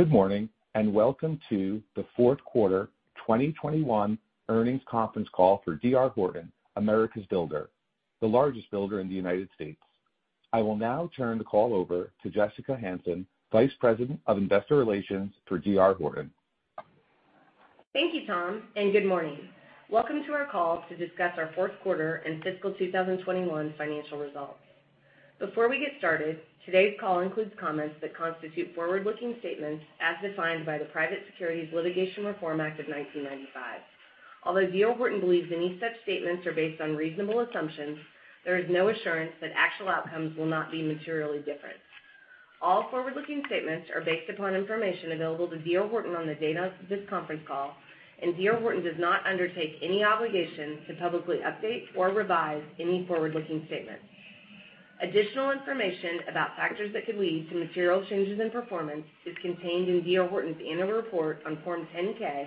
Good morning, and welcome to the fourth quarter 2021 earnings conference call for D.R. Horton, America's Builder, the largest builder in the United States. I will now turn the call over to Jessica Hansen, Vice President of Investor Relations for D.R. Horton. Thank you, Tom, and good morning. Welcome to our call to discuss our fourth quarter and fiscal 2021 financial results. Before we get started, today's call includes comments that constitute forward-looking statements as defined by the Private Securities Litigation Reform Act of 1995. Although D.R. Horton believes any such statements are based on reasonable assumptions, there is no assurance that actual outcomes will not be materially different. All forward-looking statements are based upon information available to D.R. Horton on the date of this conference call, and D.R. Horton does not undertake any obligation to publicly update or revise any forward-looking statements. Additional information about factors that could lead to material changes in performance is contained in D.R. Horton's annual report on Form 10-K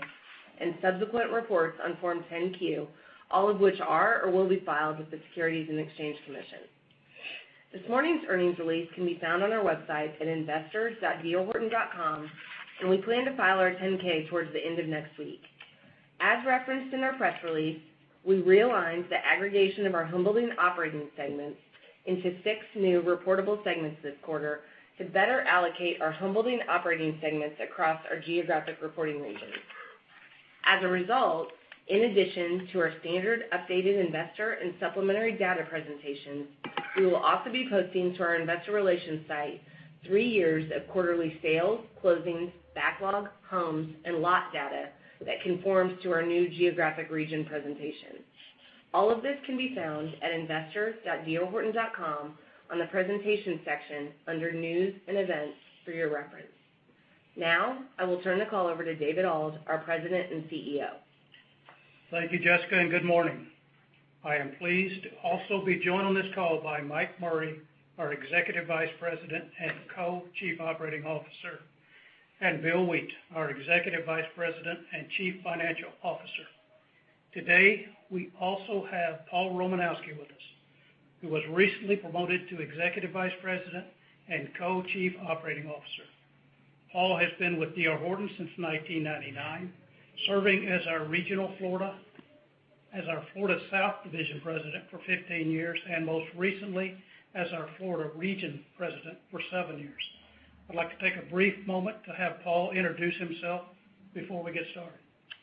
and subsequent reports on Form 10-Q, all of which are or will be filed with the Securities and Exchange Commission. This morning's earnings release can be found on our website at investors.drhorton.com, and we plan to file our 10-K towards the end of next week. As referenced in our press release, we realigned the aggregation of our homebuilding operating segments into six new reportable segments this quarter to better allocate our homebuilding operating segments across our geographic reporting regions. As a result, in addition to our standard updated investor and supplementary data presentations, we will also be posting to our investor relations site three years of quarterly sales, closings, backlog, homes, and lot data that conforms to our new geographic region presentation. All of this can be found at investors.drhorton.com on the Presentation section under News and Events for your reference. Now, I will turn the call over to David Auld, our President and CEO. Thank you, Jessica, and good morning. I am pleased to also be joined on this call by Mike Murray, our Executive Vice President and Co-Chief Operating Officer, and Bill Wheat, our Executive Vice President and Chief Financial Officer. Today, we also have Paul Romanowski with us, who was recently promoted to Executive Vice President and Co-Chief Operating Officer. Paul has been with D.R. Horton since 1999, serving as our Florida South Division President for 15 years, and most recently as our Florida Region President for seven years. I'd like to take a brief moment to have Paul introduce himself before we get started.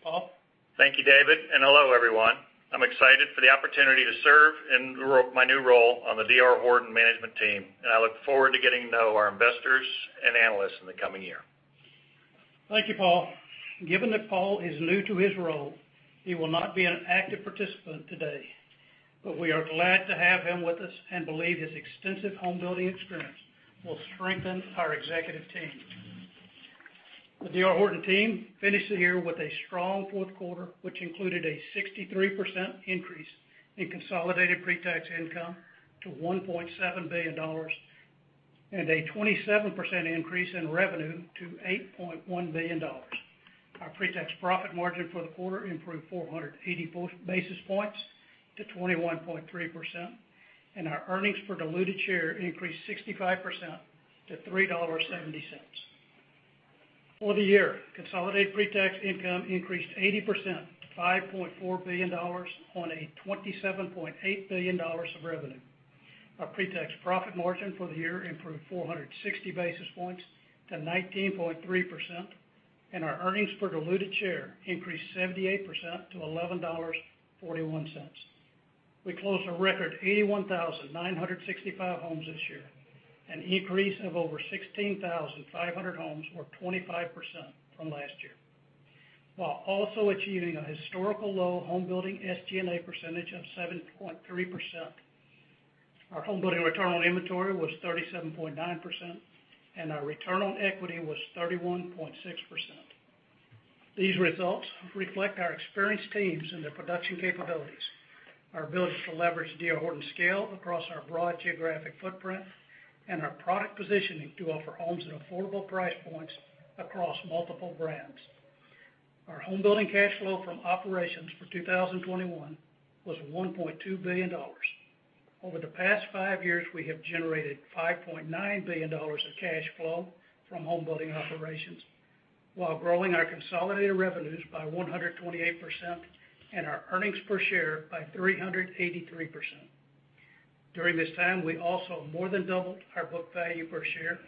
Paul? Thank you, David, and hello, everyone. I'm excited for the opportunity to serve in my new role on the D.R. Horton management team, and I look forward to getting to know our investors and analysts in the coming year. Thank you, Paul. Given that Paul is new to his role, he will not be an active participant today, but we are glad to have him with us and believe his extensive homebuilding experience will strengthen our executive team. The D.R. Horton team finished the year with a strong fourth quarter, which included a 63% increase in consolidated pre-tax income to $1.7 billion and a 27% increase in revenue to $8.1 billion. Our pre-tax profit margin for the quarter improved 480 basis points to 21.3%, and our earnings per diluted share increased 65% to $3.70. For the year, consolidated pre-tax income increased 80% to $5.4 billion on $27.8 billion of revenue. Our pre-tax profit margin for the year improved 460 basis points to 19.3%, and our earnings per diluted share increased 78% to $11.41. We closed a record 81,965 homes this year, an increase of over 16,500 homes or 25% from last year, while also achieving a historical low homebuilding SG&A percentage of 7.3%. Our homebuilding return on inventory was 37.9%, and our return on equity was 31.6%. These results reflect our experienced teams and their production capabilities, our ability to leverage D.R. Horton's scale across our broad geographic footprint, and our product positioning to offer homes at affordable price points across multiple brands. Our homebuilding cash flow from operations for 2021 was $1.2 billion. Over the past five years, we have generated $5.9 billion of cash flow from homebuilding operations while growing our consolidated revenues by 128% and our earnings per share by 383%. During this time, we also more than doubled our book value per share,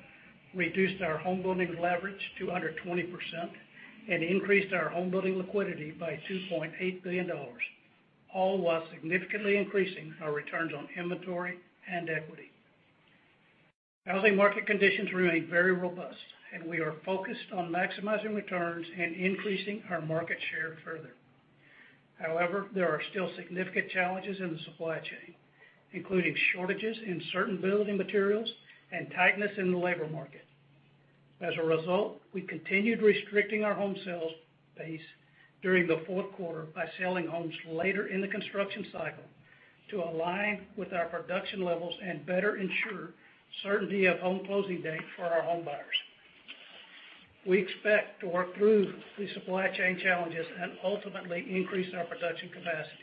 reduced our homebuilding leverage to under 20%, and increased our homebuilding liquidity by $2.8 billion, all while significantly increasing our returns on inventory and equity. Housing market conditions remain very robust, and we are focused on maximizing returns and increasing our market share further. However, there are still significant challenges in the supply chain, including shortages in certain building materials and tightness in the labor market. As a result, we continued restricting our home sales pace during the fourth quarter by selling homes later in the construction cycle to align with our production levels and better ensure certainty of home closing date for our homebuyers. We expect to work through the supply chain challenges and ultimately increase our production capacity.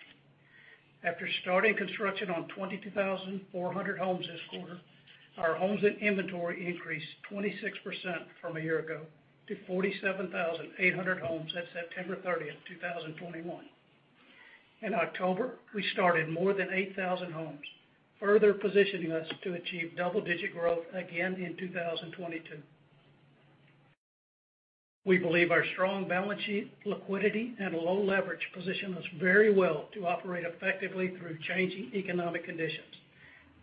After starting construction on 22,400 homes this quarter, our homes in inventory increased 26% from a year ago to 47,800 homes at September 30, 2021. In October, we started more than 8,000 homes, further positioning us to achieve double-digit growth again in 2022. We believe our strong balance sheet liquidity and low leverage positions us very well to operate effectively through changing economic conditions.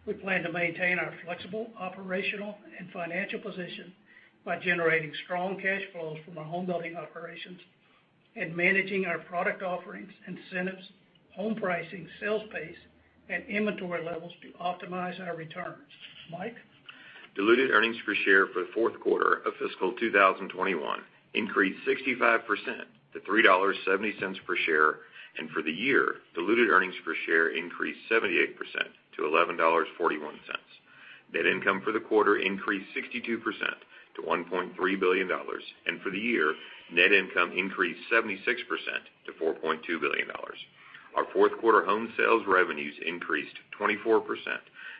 We plan to maintain our flexible operational and financial position by generating strong cash flows from our homebuilding operations and managing our product offerings, incentives, home pricing, sales pace, and inventory levels to optimize our returns. Mike? Diluted earnings per share for the fourth quarter of fiscal 2021 increased 65% to $3.70 per share, and for the year, diluted earnings per share increased 78% to $11.41. Net income for the quarter increased 62% to $1.3 billion, and for the year, net income increased 76% to $4.2 billion. Our fourth quarter home sales revenues increased 24%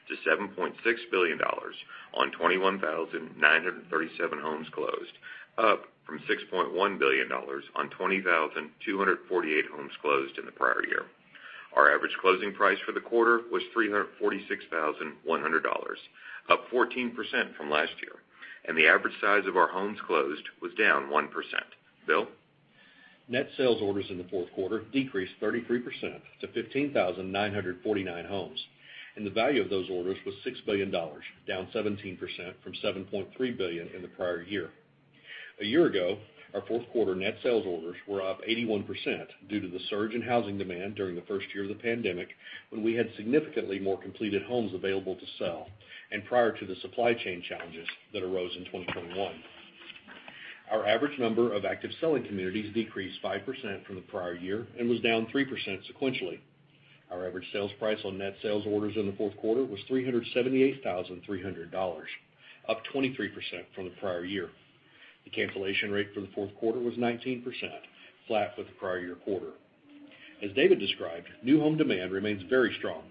to $7.6 billion on 21,937 homes closed, up from $6.1 billion on 20,248 homes closed in the prior year. Our average closing price for the quarter was $346,100, up 14% from last year, and the average size of our homes closed was down 1%. Bill? Net sales orders in the fourth quarter decreased 33% to 15,949 homes, and the value of those orders was $6 billion, down 17% from $7.3 billion in the prior year. A year ago, our fourth quarter net sales orders were up 81% due to the surge in housing demand during the first year of the pandemic when we had significantly more completed homes available to sell and prior to the supply chain challenges that arose in 2021. Our average number of active selling communities decreased 5% from the prior year and was down 3% sequentially. Our average sales price on net sales orders in the fourth quarter was $378,300, up 23% from the prior year. The cancellation rate for the fourth quarter was 19%, flat with the prior year quarter. As David described, new home demand remains very strong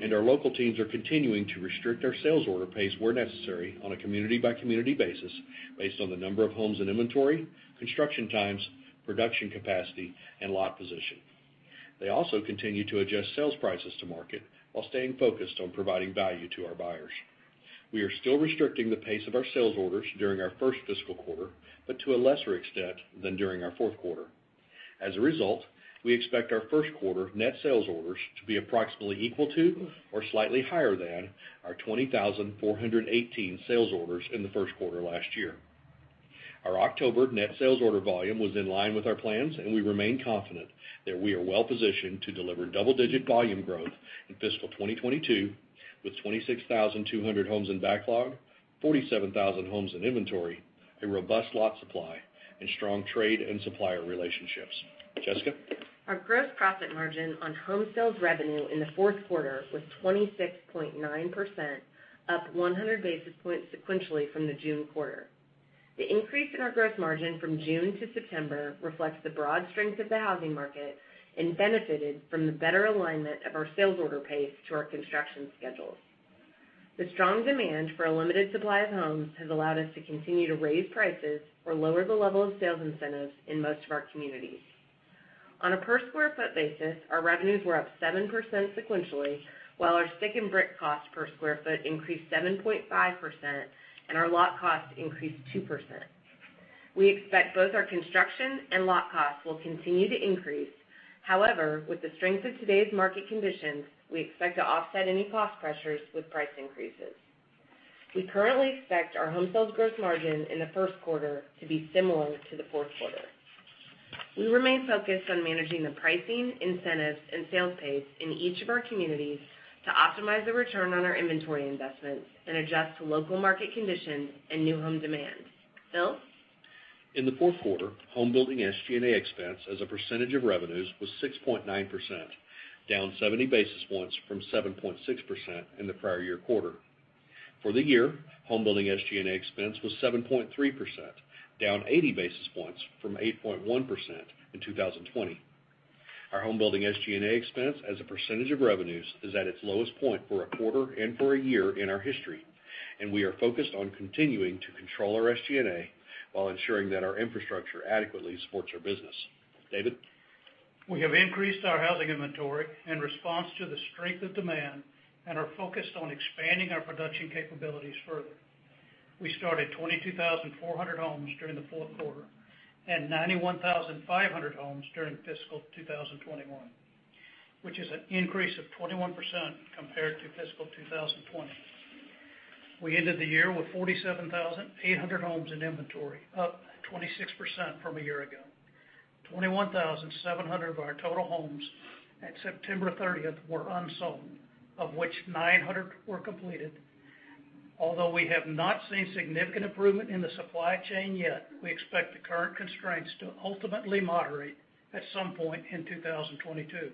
and our local teams are continuing to restrict our sales order pace where necessary on a community-by-community basis based on the number of homes and inventory, construction times, production capacity, and lot position. They also continue to adjust sales prices to market while staying focused on providing value to our buyers. We are still restricting the pace of our sales orders during our first fiscal quarter, but to a lesser extent than during our fourth quarter. As a result, we expect our first quarter net sales orders to be approximately equal to or slightly higher than our 20,418 sales orders in the first quarter last year. Our October net sales order volume was in line with our plans, and we remain confident that we are well-positioned to deliver double-digit volume growth in fiscal 2022, with 26,200 homes in backlog, 47,000 homes in inventory, a robust lot supply, and strong trade and supplier relationships. Jessica? Our gross profit margin on home sales revenue in the fourth quarter was 26.9%, up 100 basis points sequentially from the June quarter. The increase in our gross margin from June to September reflects the broad strength of the housing market and benefited from the better alignment of our sales order pace to our construction schedules. The strong demand for a limited supply of homes has allowed us to continue to raise prices or lower the level of sales incentives in most of our communities. On a per sq ft basis, our revenues were up 7% sequentially, while our stick and brick cost per sq ft increased 7.5% and our lot cost increased 2%. We expect both our construction and lot costs will continue to increase. However, with the strength of today's market conditions, we expect to offset any cost pressures with price increases. We currently expect our home sales gross margin in the first quarter to be similar to the fourth quarter. We remain focused on managing the pricing, incentives, and sales pace in each of our communities to optimize the return on our inventory investments and adjust to local market conditions and new home demand. Bill? In the fourth quarter, homebuilding SG&A expense as a percentage of revenues was 6.9%, down 70 basis points from 7.6% in the prior year quarter. For the year, homebuilding SG&A expense was 7.3%, down 80 basis points from 8.1% in 2020. Our homebuilding SG&A expense as a percentage of revenues is at its lowest point for a quarter and for a year in our history, and we are focused on continuing to control our SG&A while ensuring that our infrastructure adequately supports our business. David? We have increased our housing inventory in response to the strength of demand and are focused on expanding our production capabilities further. We started 22,400 homes during the fourth quarter and 91,500 homes during fiscal 2021, which is an increase of 21% compared to fiscal 2020. We ended the year with 47,800 homes in inventory, up 26% from a year ago. 21,700 of our total homes at September 30 were unsold, of which 900 were completed. Although we have not seen significant improvement in the supply chain yet, we expect the current constraints to ultimately moderate at some point in 2022.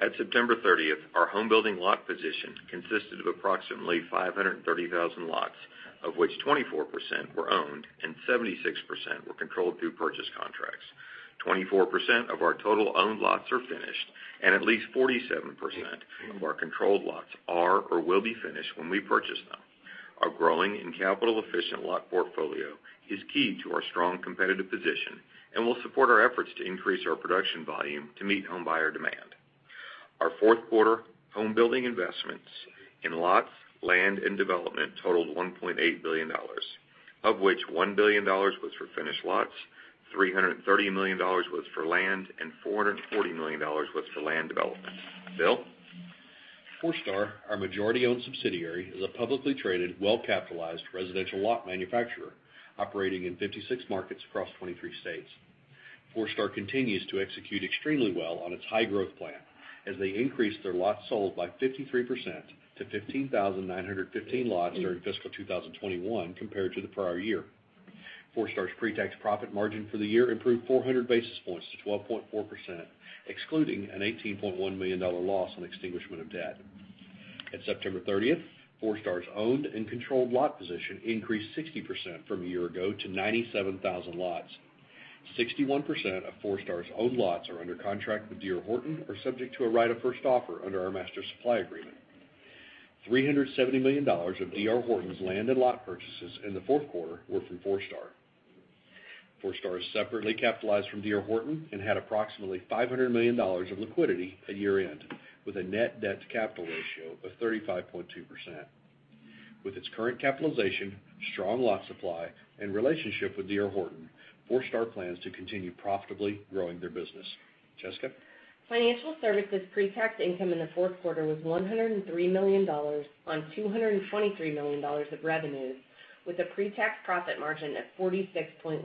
Mike? As of September 30, our homebuilding lot position consisted of approximately 530,000 lots, of which 24% were owned and 76% were controlled through purchase contracts. 24% of our total owned lots are finished and at least 47% of our controlled lots are or will be finished when we purchase them. Our growing and capital efficient lot portfolio is key to our strong competitive position and will support our efforts to increase our production volume to meet homebuyer demand. Our fourth quarter homebuilding investments in lots, land and development totaled $1.8 billion, of which $1 billion was for finished lots, $330 million was for land, and $440 million was for land development. Bill? Forestar, our majority-owned subsidiary, is a publicly traded, well-capitalized residential lot manufacturer operating in 56 markets across 23 states. Forestar continues to execute extremely well on its high growth plan as they increased their lots sold by 53% to 15,915 lots during fiscal 2021 compared to the prior year. Forestar's pretax profit margin for the year improved 400 basis points to 12.4%, excluding an $18.1 million loss on extinguishment of debt. At September 30, Forestar's owned and controlled lot position increased 60% from a year ago to 97,000 lots. 61% of Forestar's owned lots are under contract with D.R. Horton or subject to a right of first offer under our master supply agreement. $370 million of D.R. Horton's land and lot purchases in the fourth quarter were from Forestar. Forestar is separately capitalized from D.R. Horton and had approximately $500 million of liquidity at year-end, with a net debt-to-capital ratio of 35.2%. With its current capitalization, strong lot supply, and relationship with D.R. Horton, Forestar plans to continue profitably growing their business. Jessica? Financial services pretax income in the fourth quarter was $103 million on $223 million of revenues, with a pretax profit margin of 46.1%.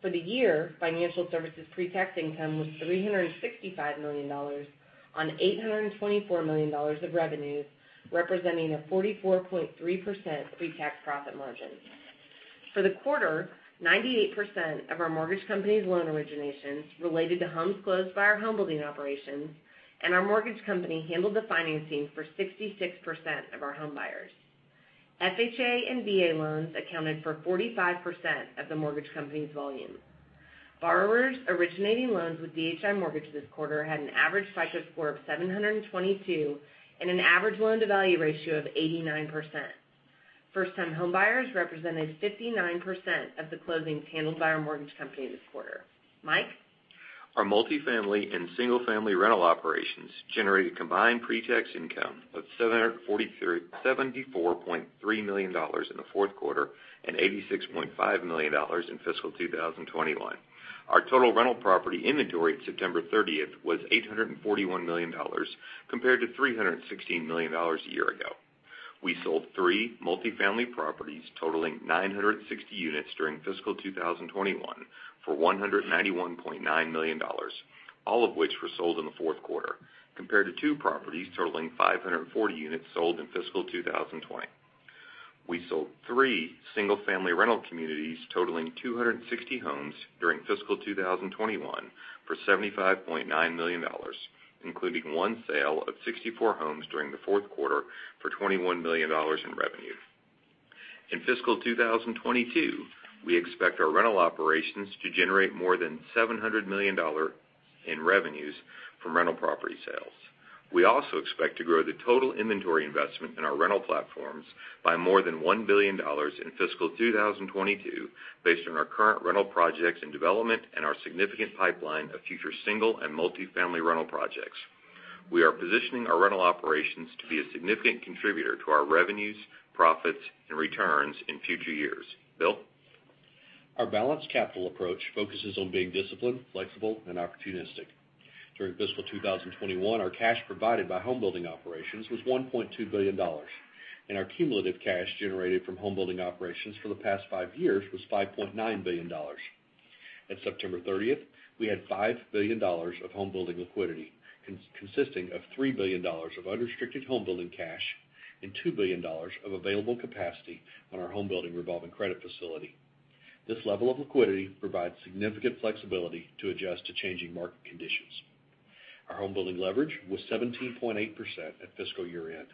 For the year, financial services pretax income was $365 million on $824 million of revenues, representing a 44.3% pretax profit margin. For the quarter, 98% of our mortgage company's loan originations related to homes closed by our home-building operations, and our mortgage company handled the financing for 66% of our homebuyers. FHA and VA loans accounted for 45% of the mortgage company's volume. Borrowers originating loans with DHI Mortgage this quarter had an average FICO score of 722 and an average loan-to-value ratio of 89%. First-time homebuyers represented 59% of the closings handled by our mortgage company this quarter. Mike? Our multifamily and single-family rental operations generated combined pretax income of $74.3 million in the fourth quarter and $86.5 million in fiscal 2021. Our total rental property inventory at September 30 was $841 million compared to $316 million a year ago. We sold three multifamily properties totaling 960 units during fiscal 2021 for $191.9 million, all of which were sold in the fourth quarter, compared to two properties totaling 540 units sold in fiscal 2020. We sold 3 single-family rental communities totaling 260 homes during fiscal 2021 for $75.9 million, including one sale of 64 homes during the fourth quarter for $21 million in revenue. In fiscal 2022, we expect our rental operations to generate more than $700 million in revenues from rental property sales. We also expect to grow the total inventory investment in our rental platforms by more than $1 billion in fiscal 2022 based on our current rental projects in development and our significant pipeline of future single and multifamily rental projects. We are positioning our rental operations to be a significant contributor to our revenues, profits, and returns in future years. Bill? Our balanced capital approach focuses on being disciplined, flexible, and opportunistic. During fiscal 2021, our cash provided by home building operations was $1.2 billion, and our cumulative cash generated from home building operations for the past five years was $5.9 billion. At September 30, we had $5 billion of home building liquidity, consisting of $3 billion of unrestricted home building cash and $2 billion of available capacity on our home building revolving credit facility. This level of liquidity provides significant flexibility to adjust to changing market conditions. Our home building leverage was 17.8% at fiscal year-end,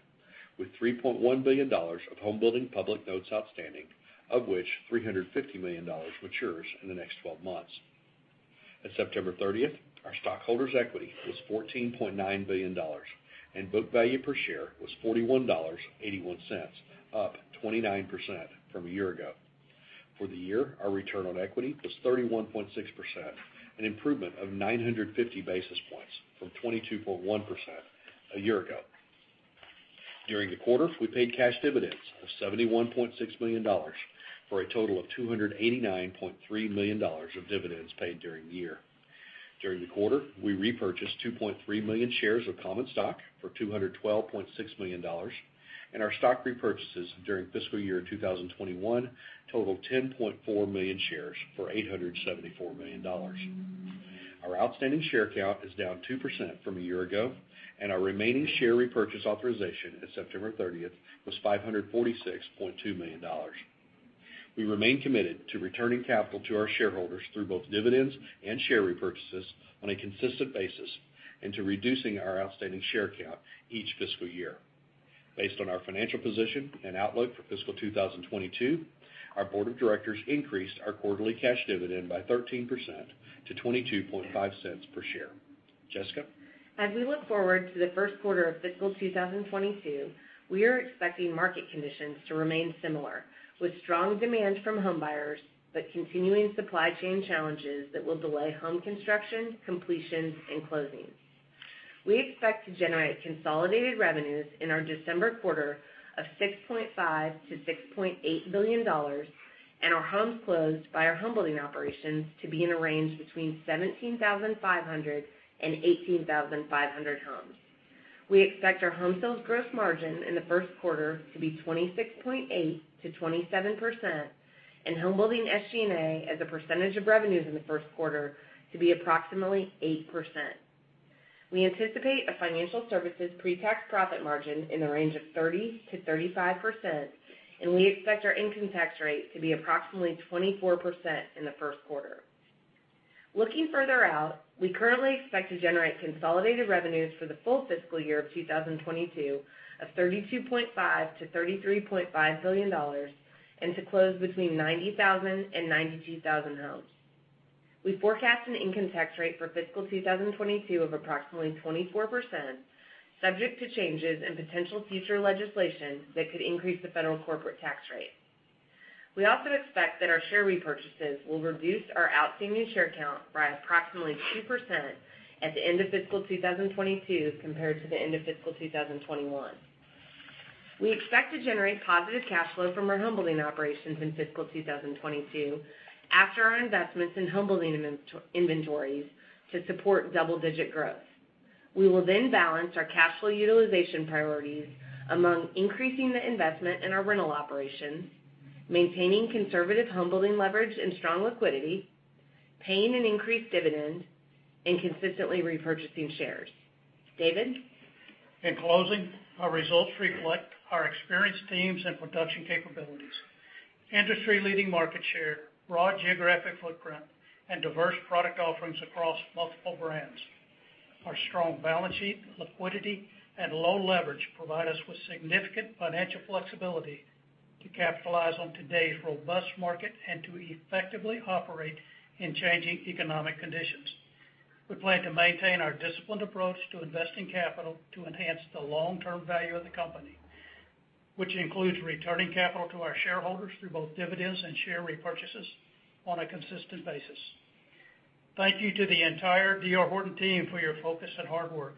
with $3.1 billion of home building public notes outstanding, of which $350 million matures in the next twelve months. As of September 30, our stockholders' equity was $14.9 billion, and book value per share was $41.81, up 29% from a year ago. For the year, our return on equity was 31.6%, an improvement of 950 basis points from 22.1% a year ago. During the quarter, we paid cash dividends of $71.6 million, for a total of $289.3 million of dividends paid during the year. During the quarter, we repurchased 2.3 million shares of common stock for $212.6 million, and our stock repurchases during fiscal year 2021 totaled 10.4 million shares for $874 million. Our outstanding share count is down 2% from a year ago, and our remaining share repurchase authorization at September 30 was $546.2 million. We remain committed to returning capital to our shareholders through both dividends and share repurchases on a consistent basis and to reducing our outstanding share count each fiscal year. Based on our financial position and outlook for fiscal 2022, our board of directors increased our quarterly cash dividend by 13% to $.0225 per share. Jessica? As we look forward to the first quarter of fiscal 2022, we are expecting market conditions to remain similar, with strong demand from homebuyers, but continuing supply chain challenges that will delay home construction, completions, and closings. We expect to generate consolidated revenues in our December quarter of $6.5 billion-$6.8 billion and our homes closed by our homebuilding operations to be in a range between 17,500 and 18,500 homes. We expect our home sales gross margin in the first quarter to be 26.8%-27% and homebuilding SG&A as a percentage of revenues in the first quarter to be approximately 8%. We anticipate a financial services pre-tax profit margin in the range of 30%-35%, and we expect our income tax rate to be approximately 24% in the first quarter. Looking further out, we currently expect to generate consolidated revenues for the full fiscal year of 2022 of $32.5 billion-$33.5 billion and to close between 90,000 and 92,000 homes. We forecast an income tax rate for fiscal 2022 of approximately 24%, subject to changes in potential future legislation that could increase the federal corporate tax rate. We also expect that our share repurchases will reduce our outstanding share count by approximately 2% at the end of fiscal 2022 compared to the end of fiscal 2021. We expect to generate positive cash flow from our homebuilding operations in fiscal 2022 after our investments in homebuilding inventories to support double-digit growth. We will then balance our cash flow utilization priorities among increasing the investment in our rental operations, maintaining conservative homebuilding leverage and strong liquidity, paying an increased dividend, and consistently repurchasing shares. David? In closing, our results reflect our experienced teams and production capabilities, industry-leading market share, broad geographic footprint, and diverse product offerings across multiple brands. Our strong balance sheet, liquidity, and low leverage provide us with significant financial flexibility to capitalize on today's robust market and to effectively operate in changing economic conditions. We plan to maintain our disciplined approach to investing capital to enhance the long-term value of the company, which includes returning capital to our shareholders through both dividends and share repurchases on a consistent basis. Thank you to the entire D.R. Horton team for your focus and hard work.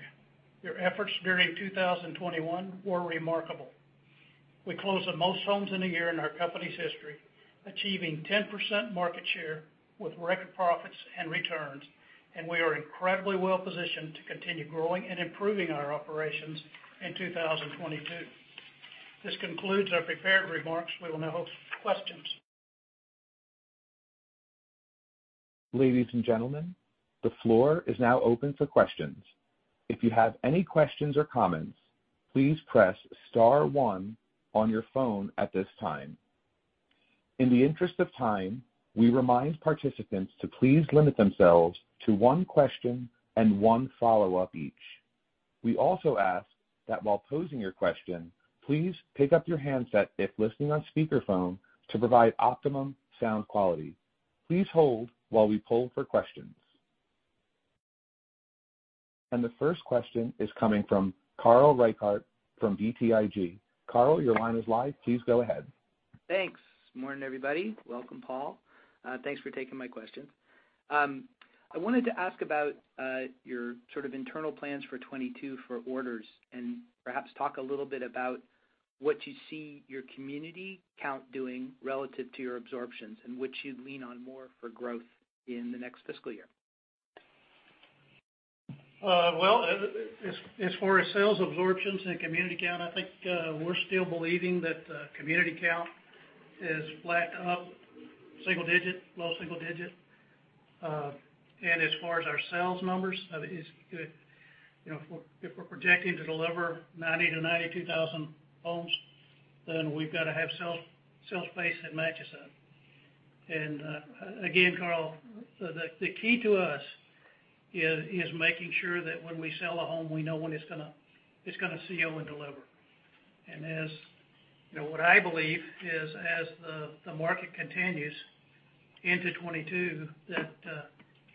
Your efforts during 2021 were remarkable. We closed the most homes in a year in our company's history, achieving 10% market share with record profits and returns, and we are incredibly well-positioned to continue growing and improving our operations in 2022. This concludes our prepared remarks. We will now host questions. Ladies and gentlemen, the floor is now open for questions. If you have any questions or comments, please press star one on your phone at this time. In the interest of time, we remind participants to please limit themselves to one question and one follow-up each. We also ask that while posing your question, please pick up your handset if listening on speakerphone to provide optimum sound quality. Please hold while we poll for questions. The first question is coming from Carl Reichardt from BTIG. Carl, your line is live. Please go ahead. Thanks. Morning, everybody. Welcome, Paul. Thanks for taking my questions. I wanted to ask about your sort of internal plans for 2022 for orders, and perhaps talk a little bit about what you see your community count doing relative to your absorptions and which you'd lean on more for growth in the next fiscal year. Well, as far as sales absorptions and community count, I think we're still believing that community count is flat to up single digit, low single digit. As far as our sales numbers, I think it's you know, if we're projecting to deliver 90,000-92,000 homes, then we've got to have sales pace that matches that. Again, Carl, the key to us is making sure that when we sell a home, we know when it's gonna close and deliver. As you know, what I believe is as the market continues into 2022,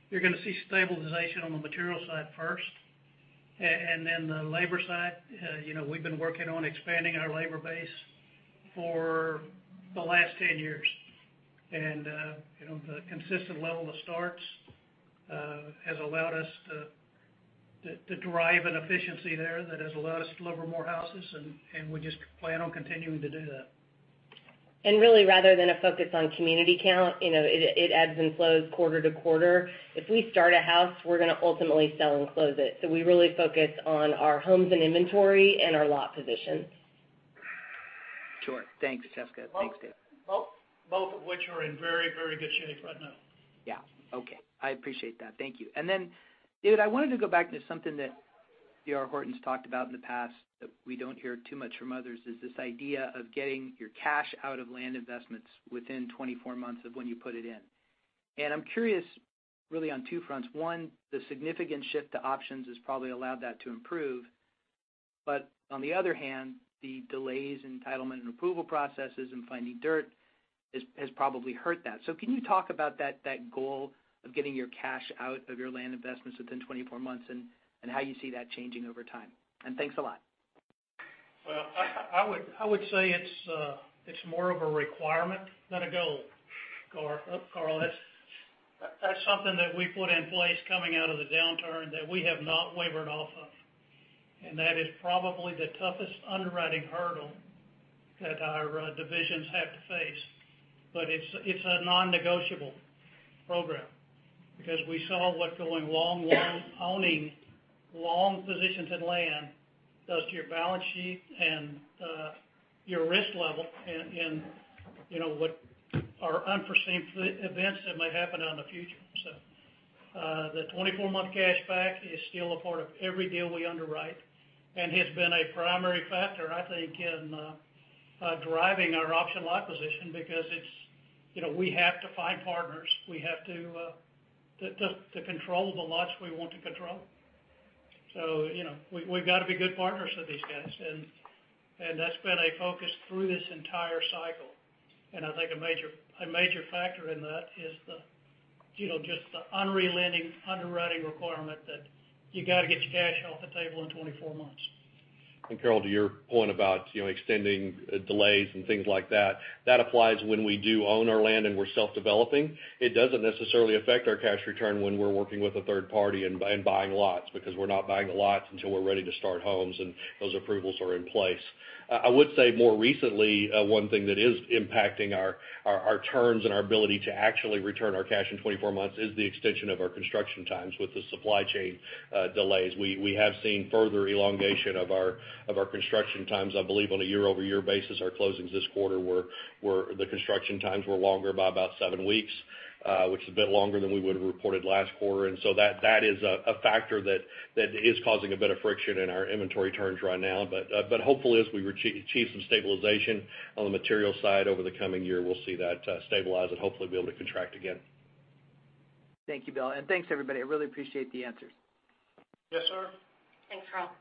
you're gonna see stabilization on the material side first and then the labor side. You know, we've been working on expanding our labor base for the last 10 years. You know, the consistent level of starts has allowed us to drive an efficiency there that has allowed us to deliver more houses, and we just plan on continuing to do that. And really rather than a focus on community count, you know, it adds and flows quarter to quarter. If we start a house, we're gonna ultimately sell and close it. We really focus on our homes and inventory and our lot positions. Sure. Thanks, Jessica. Thanks, David. Both of which are in very, very good shape right now. Yeah. Okay. I appreciate that. Thank you. Then, David, I wanted to go back to something that D.R. Horton's talked about in the past, that we don't hear too much from others, is this idea of getting your cash out of land investments within 24 months of when you put it in. I'm curious really on two fronts. One, the significant shift to options has probably allowed that to improve. On the other hand, the delays in entitlement and approval processes and finding dirt has probably hurt that. Can you talk about that goal of getting your cash out of your land investments within 24 months and how you see that changing over time? Thanks a lot. I would say it's more of a requirement than a goal, Carl. That's something that we put in place coming out of the downturn that we have not wavered off of. That is probably the toughest underwriting hurdle that our divisions have to face. It's a non-negotiable program because we saw what going long, owning long positions in land does to your balance sheet and your risk level and, you know, unforeseen events that might happen out in the future. The 24-month cash back is still a part of every deal we underwrite and has been a primary factor, I think, in driving our option lot position because it's, you know, we have to find partners. We have to control the lots we want to control. You know, we've got to be good partners with these guys, and that's been a focus through this entire cycle. I think a major factor in that is, you know, just the unrelenting underwriting requirement that you gotta get your cash off the table in 24 months. Carl, to your point about, you know, extending delays and things like that applies when we do own our land and we're self-developing. It doesn't necessarily affect our cash return when we're working with a third party and buying lots because we're not buying the lots until we're ready to start homes and those approvals are in place. I would say more recently, one thing that is impacting our turns and our ability to actually return our cash in 24 months is the extension of our construction times with the supply chain delays. We have seen further elongation of our construction times. I believe on a year-over-year basis, the construction times were longer by about seven weeks, which is a bit longer than we would've reported last quarter. That is a factor that is causing a bit of friction in our inventory turns right now. Hopefully, as we achieve some stabilization on the material side over the coming year, we'll see that stabilize and hopefully be able to contract again. Thank you, Bill. Thanks, everybody. I really appreciate the answers. Yes, sir. Thanks, Carl.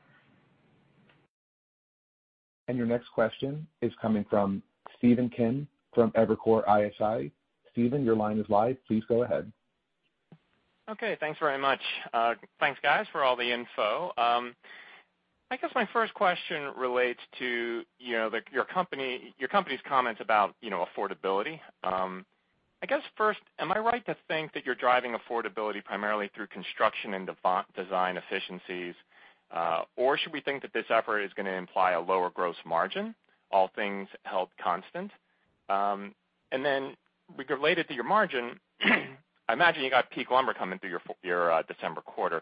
Your next question is coming from Stephen Kim from Evercore ISI. Stephen, your line is live. Please go ahead. Okay, thanks very much. Thanks, guys, for all the info. I guess my first question relates to, you know, your company, your company's comments about, you know, affordability. I guess first, am I right to think that you're driving affordability primarily through construction and design efficiencies? Or should we think that this effort is gonna imply a lower gross margin, all things held constant? And then related to your margin, I imagine you got peak lumber coming through your December quarter.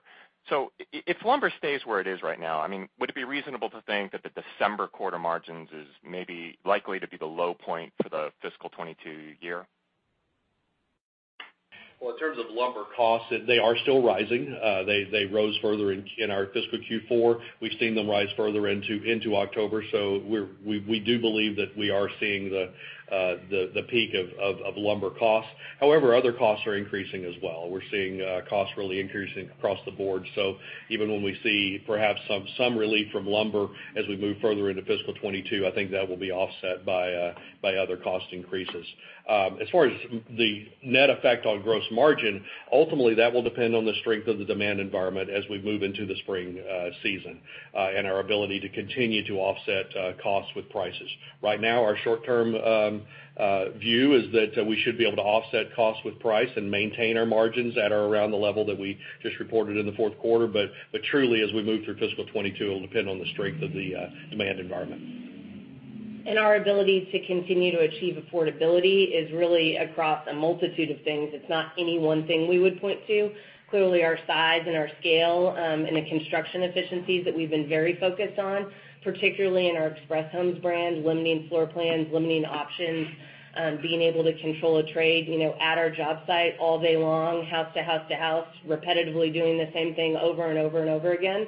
If lumber stays where it is right now, I mean, would it be reasonable to think that the December quarter margins is maybe likely to be the low point for the fiscal 2022 year? Well, in terms of lumber costs, they are still rising. They rose further in our fiscal Q4. We've seen them rise further into October. We do believe that we are seeing the peak of lumber costs. However, other costs are increasing as well. We're seeing costs really increasing across the board. Even when we see perhaps some relief from lumber as we move further into fiscal 2022, I think that will be offset by other cost increases. As far as the net effect on gross margin, ultimately, that will depend on the strength of the demand environment as we move into the spring season and our ability to continue to offset costs with prices. Right now, our short-term view is that we should be able to offset costs with price and maintain our margins at or around the level that we just reported in the fourth quarter. Truly, as we move through fiscal 2022, it'll depend on the strength of the demand environment. Our ability to continue to achieve affordability is really across a multitude of things. It's not any one thing we would point to. Clearly, our size and our scale, and the construction efficiencies that we've been very focused on, particularly in our Express Homes brand, limiting floor plans, limiting options, being able to control a trade, you know, at our job site all day long, house to house to house, repetitively doing the same thing over and over and over again,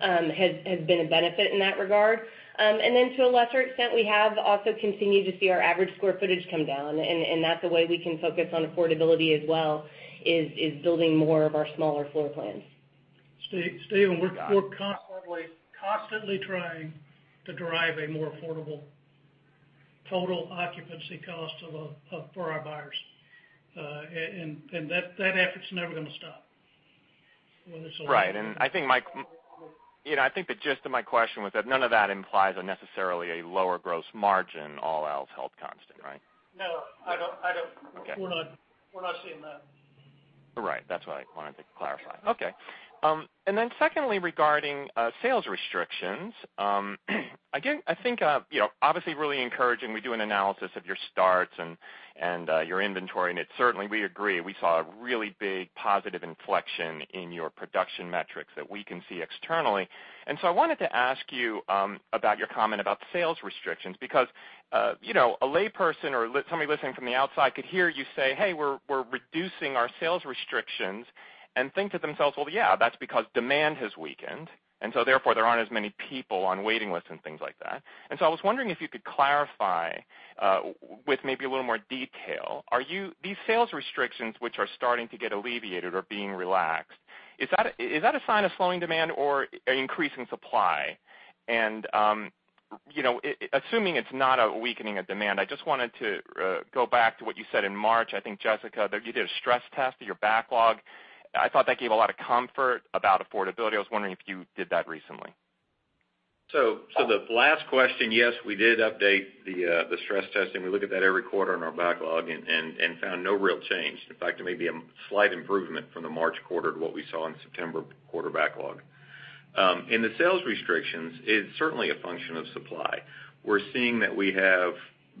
has been a benefit in that regard. To a lesser extent, we have also continued to see our average square footage come down, and that's a way we can focus on affordability as well, is building more of our smaller floor plans. Stephen, we're constantly trying to drive a more affordable total occupancy cost for our buyers. That effort's never gonna stop. Whether it's a- Right. I think, you know, I think the gist of my question was that none of that implies a necessarily lower gross margin, all else held constant, right? No, I don't. Okay. We're not seeing that. Right. That's what I wanted to clarify. Okay. And then secondly, regarding sales restrictions, again, I think, you know, obviously really encouraging we do an analysis of your starts and your inventory, and it's certainly, we agree, we saw a really big positive inflection in your production metrics that we can see externally. I wanted to ask you about your comment about sales restrictions because, you know, a layperson or somebody listening from the outside could hear you say, "Hey, we're reducing our sales restrictions." They could think to themselves, well, yeah, that's because demand has weakened, and so therefore, there aren't as many people on waiting lists and things like that. I was wondering if you could clarify with maybe a little more detail. Are you... These sales restrictions, which are starting to get alleviated or being relaxed, is that a sign of slowing demand or increasing supply? You know, assuming it's not a weakening of demand, I just wanted to go back to what you said in March. I think, Jessica, that you did a stress test to your backlog. I was wondering if you did that recently. The last question, yes, we did update the stress testing. We look at that every quarter in our backlog and found no real change. In fact, there may be a slight improvement from the March quarter to what we saw in September quarter backlog. In the sales restrictions, it's certainly a function of supply. We're seeing that we have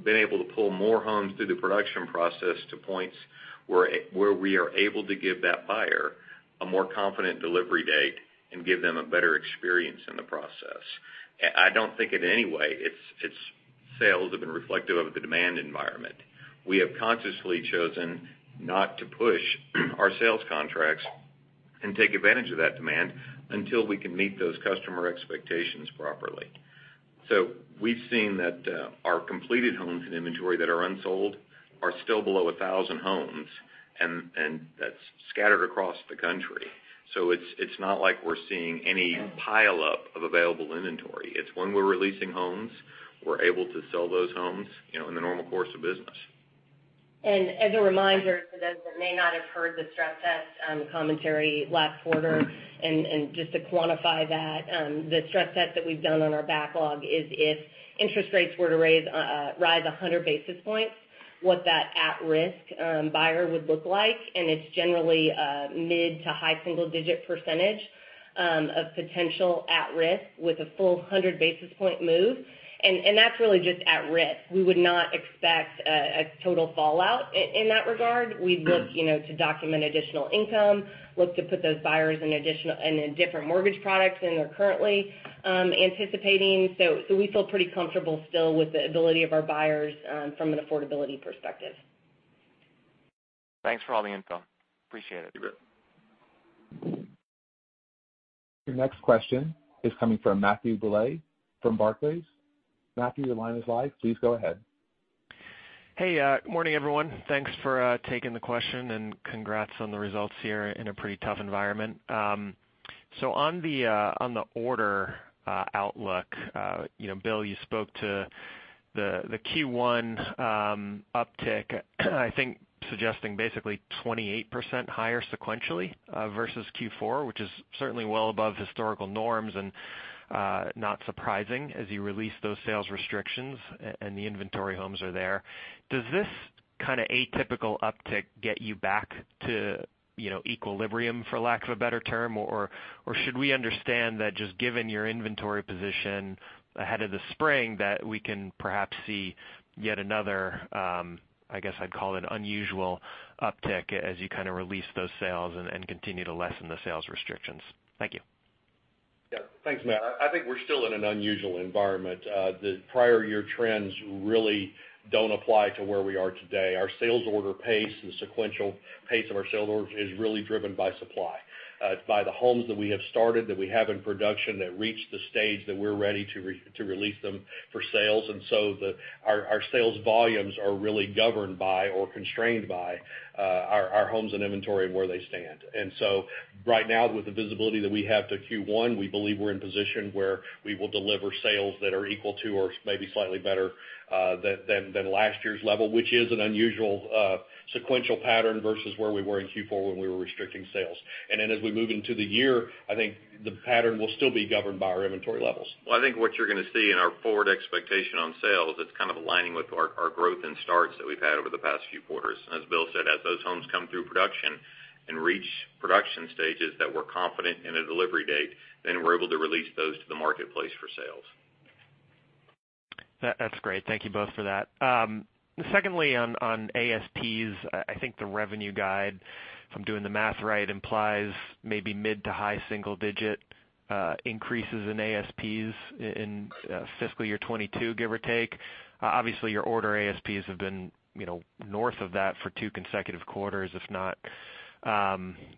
been able to pull more homes through the production process to points where we are able to give that buyer a more confident delivery date and give them a better experience in the process. I don't think in any way it's sales have been reflective of the demand environment. We have consciously chosen not to push our sales contracts and take advantage of that demand until we can meet those customer expectations properly. We've seen that our completed homes and inventory that are unsold are still below 1,000 homes, and that's scattered across the country. It's not like we're seeing any pileup of available inventory. It's when we're releasing homes, we're able to sell those homes, you know, in the normal course of business. As a reminder to those that may not have heard the stress test commentary last quarter, and just to quantify that, the stress test that we've done on our backlog is if interest rates were to rise 100 basis points, what that at-risk buyer would look like. It's generally a mid- to high single-digit percentage of potential at risk with a full 100 basis-point move. That's really just at risk. We would not expect a total fallout in that regard. We'd look, you know, to document additional income, look to put those buyers in a different mortgage product than they're currently anticipating. We feel pretty comfortable still with the ability of our buyers from an affordability perspective. Thanks for all the info. Appreciate it. You bet. Your next question is coming from Matthew Bouley from Barclays. Matthew, your line is live. Please go ahead. Hey, good morning, everyone. Thanks for taking the question, and congrats on the results here in a pretty tough environment. So on the order outlook, you know, Bill, you spoke to the Q1 uptick, I think suggesting basically 28% higher sequentially versus Q4, which is certainly well above historical norms and not surprising as you release those sales restrictions and the inventory homes are there. Does this kind of atypical uptick get you back to, you know, equilibrium, for lack of a better term? Or should we understand that just given your inventory position ahead of the spring, that we can perhaps see yet another, I guess I'd call it unusual uptick as you kind of release those sales and continue to lessen the sales restrictions? Thank you. Yeah. Thanks, Matt. I think we're still in an unusual environment. The prior year trends really don't apply to where we are today. Our sales order pace and the sequential pace of our sales orders is really driven by supply, by the homes that we have started, that we have in production that reached the stage that we're ready to release them for sales. Our sales volumes are really governed by or constrained by our homes and inventory and where they stand. Right now with the visibility that we have to Q1, we believe we're in position where we will deliver sales that are equal to or maybe slightly better than last year's level, which is an unusual sequential pattern versus where we were in Q4 when we were restricting sales. As we move into the year, I think the pattern will still be governed by our inventory levels. Well, I think what you're gonna see in our forward expectation on sales, it's kind of aligning with our growth in starts that we've had over the past few quarters. As Bill said, as those homes come through production and reach production stages that we're confident in a delivery date, then we're able to release those to the marketplace for sales. That's great. Thank you both for that. Secondly, on ASPs, I think the revenue guide, if I'm doing the math right, implies maybe mid- to high single-digit increases in ASPs in fiscal year 2022, give or take. Obviously, your order ASPs have been, you know, north of that for two consecutive quarters, if not,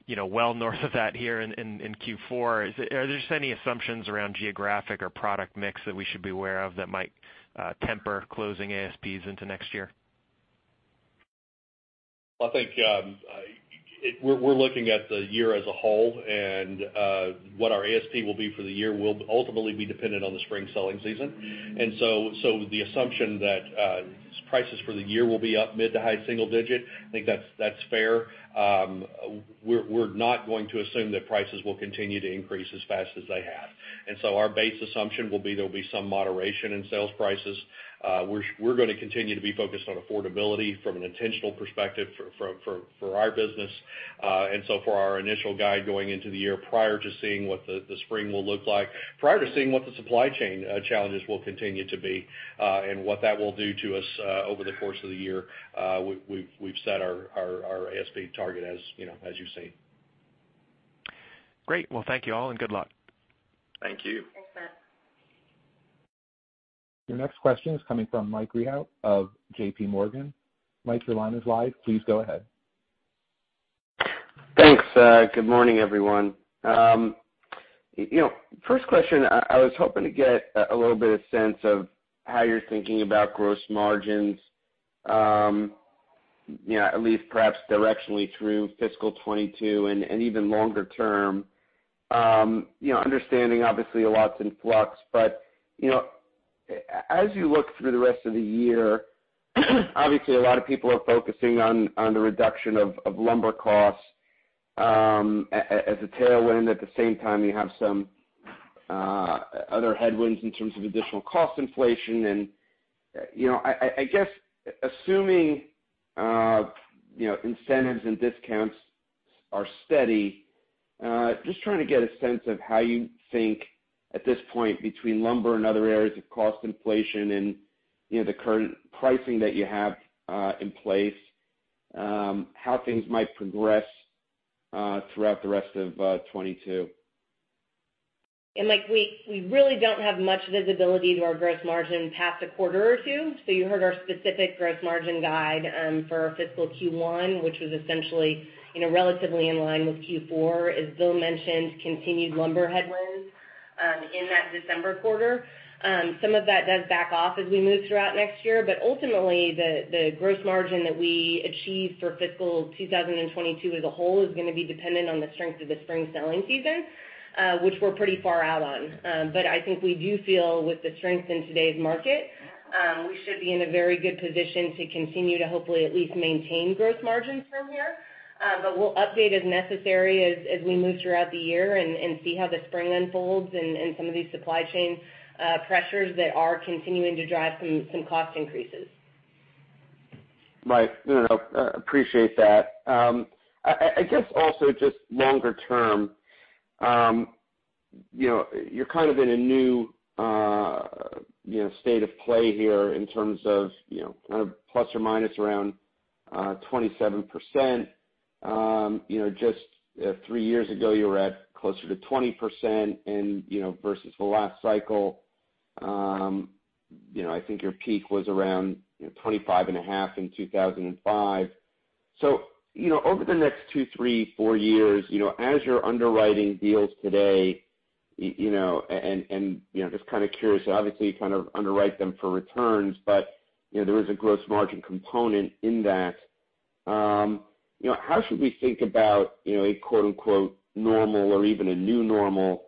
you know, well north of that here in Q4. Are there any assumptions around geographic or product mix that we should be aware of that might temper closing ASPs into next year? I think we're looking at the year as a whole, and what our ASP will be for the year will ultimately be dependent on the spring selling season. The assumption that prices for the year will be up mid- to high-single-digit, I think that's fair. We're not going to assume that prices will continue to increase as fast as they have. Our base assumption will be there'll be some moderation in sales prices. We're gonna continue to be focused on affordability from an intentional perspective for our business. For our initial guide going into the year prior to seeing what the spring will look like, prior to seeing what the supply chain challenges will continue to be, and what that will do to us over the course of the year, we've set our ASP target as, you know, as you've seen. Great. Well, thank you all, and good luck. Thank you. Your next question is coming from Mike Rehaut of JPMorgan. Mike, your line is live. Please go ahead. Thanks. Good morning, everyone. You know, first question, I was hoping to get a little bit of sense of how you're thinking about gross margins, you know, at least perhaps directionally through fiscal 2022 and even longer term. You know, understanding obviously a lot's in flux, but you know, as you look through the rest of the year, obviously a lot of people are focusing on the reduction of lumber costs as a tailwind. At the same time, you have some other headwinds in terms of additional cost inflation. You know, I guess assuming you know, incentives and discounts are steady, just trying to get a sense of how you think at this point between lumber and other areas of cost inflation and, you know, the current pricing that you have in place, how things might progress throughout the rest of 2022? Mike, we really don't have much visibility to our gross margin past a quarter or two. You heard our specific gross margin guide for our fiscal Q1, which was essentially, you know, relatively in line with Q4, as Bill mentioned, continued lumber headwinds in that December quarter. Some of that does back off as we move throughout next year. Ultimately, the gross margin that we achieve for fiscal 2022 as a whole is gonna be dependent on the strength of the spring selling season, which we're pretty far out on. I think we do feel with the strength in today's market, we should be in a very good position to continue to hopefully at least maintain gross margins from here. We'll update as necessary as we move throughout the year and see how the spring unfolds and some of these supply chain pressures that are continuing to drive some cost increases. Mike. No, appreciate that. I guess also just longer term, you know, you're kind of in a new, you know, state of play here in terms of, you know, kind of ±27%. You know, just three years ago, you were at closer to 20% and, you know, versus the last cycle, you know, I think your peak was around, you know, 25.5% in 2005. You know, over the next two, three, four years, you know, as you're underwriting deals today, you know, and, you know, just kind of curious, obviously you kind of underwrite them for returns, but, you know, there is a gross margin component in that. You know, how should we think about, you know, a quote unquote normal or even a new normal,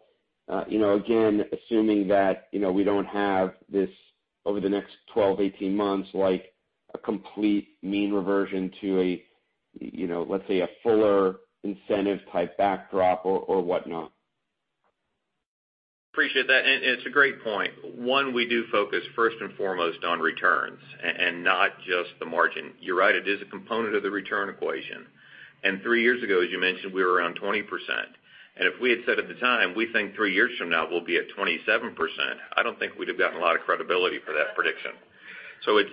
you know, again, assuming that, you know, we don't have this over the next 12, 18 months, like a complete mean reversion to a, you know, let's say a fuller incentive type backdrop or whatnot? Appreciate that, and it's a great point. One, we do focus first and foremost on returns and not just the margin. You're right, it is a component of the return equation. Three years ago, as you mentioned, we were around 20%. If we had said at the time, we think three years from now we'll be at 27%, I don't think we'd have gotten a lot of credibility for that prediction.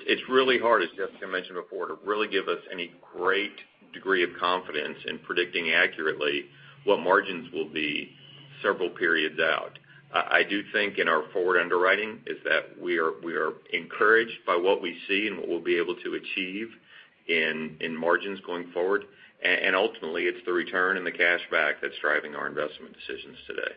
It's really hard, as Jessica mentioned before, to really give us any great degree of confidence in predicting accurately what margins will be several periods out. I do think in our forward underwriting is that we are encouraged by what we see and what we'll be able to achieve in margins going forward. Ultimately, it's the return and the cash back that's driving our investment decisions today.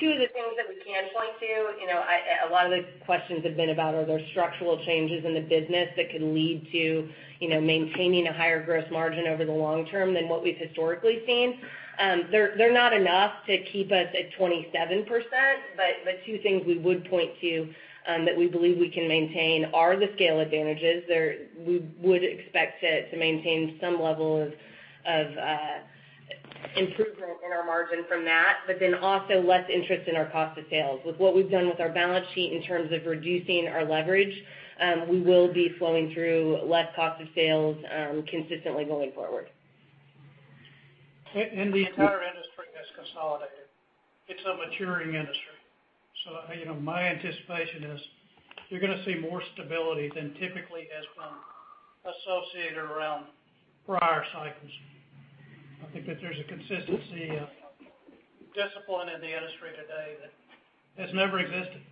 Two of the things that we can point to, you know, a lot of the questions have been about are there structural changes in the business that can lead to, you know, maintaining a higher gross margin over the long term than what we've historically seen? They're not enough to keep us at 27%, but two things we would point to that we believe we can maintain are the scale advantages. We would expect to maintain some level of improvement in our margin from that, but then also less interest in our cost of sales. With what we've done with our balance sheet in terms of reducing our leverage, we will be flowing through less cost of sales consistently going forward. The entire industry has consolidated. It's a maturing industry. You know, my anticipation is you're gonna see more stability than typically has been associated around prior cycles. I think that there's a consistency of discipline in the industry today that has never existed.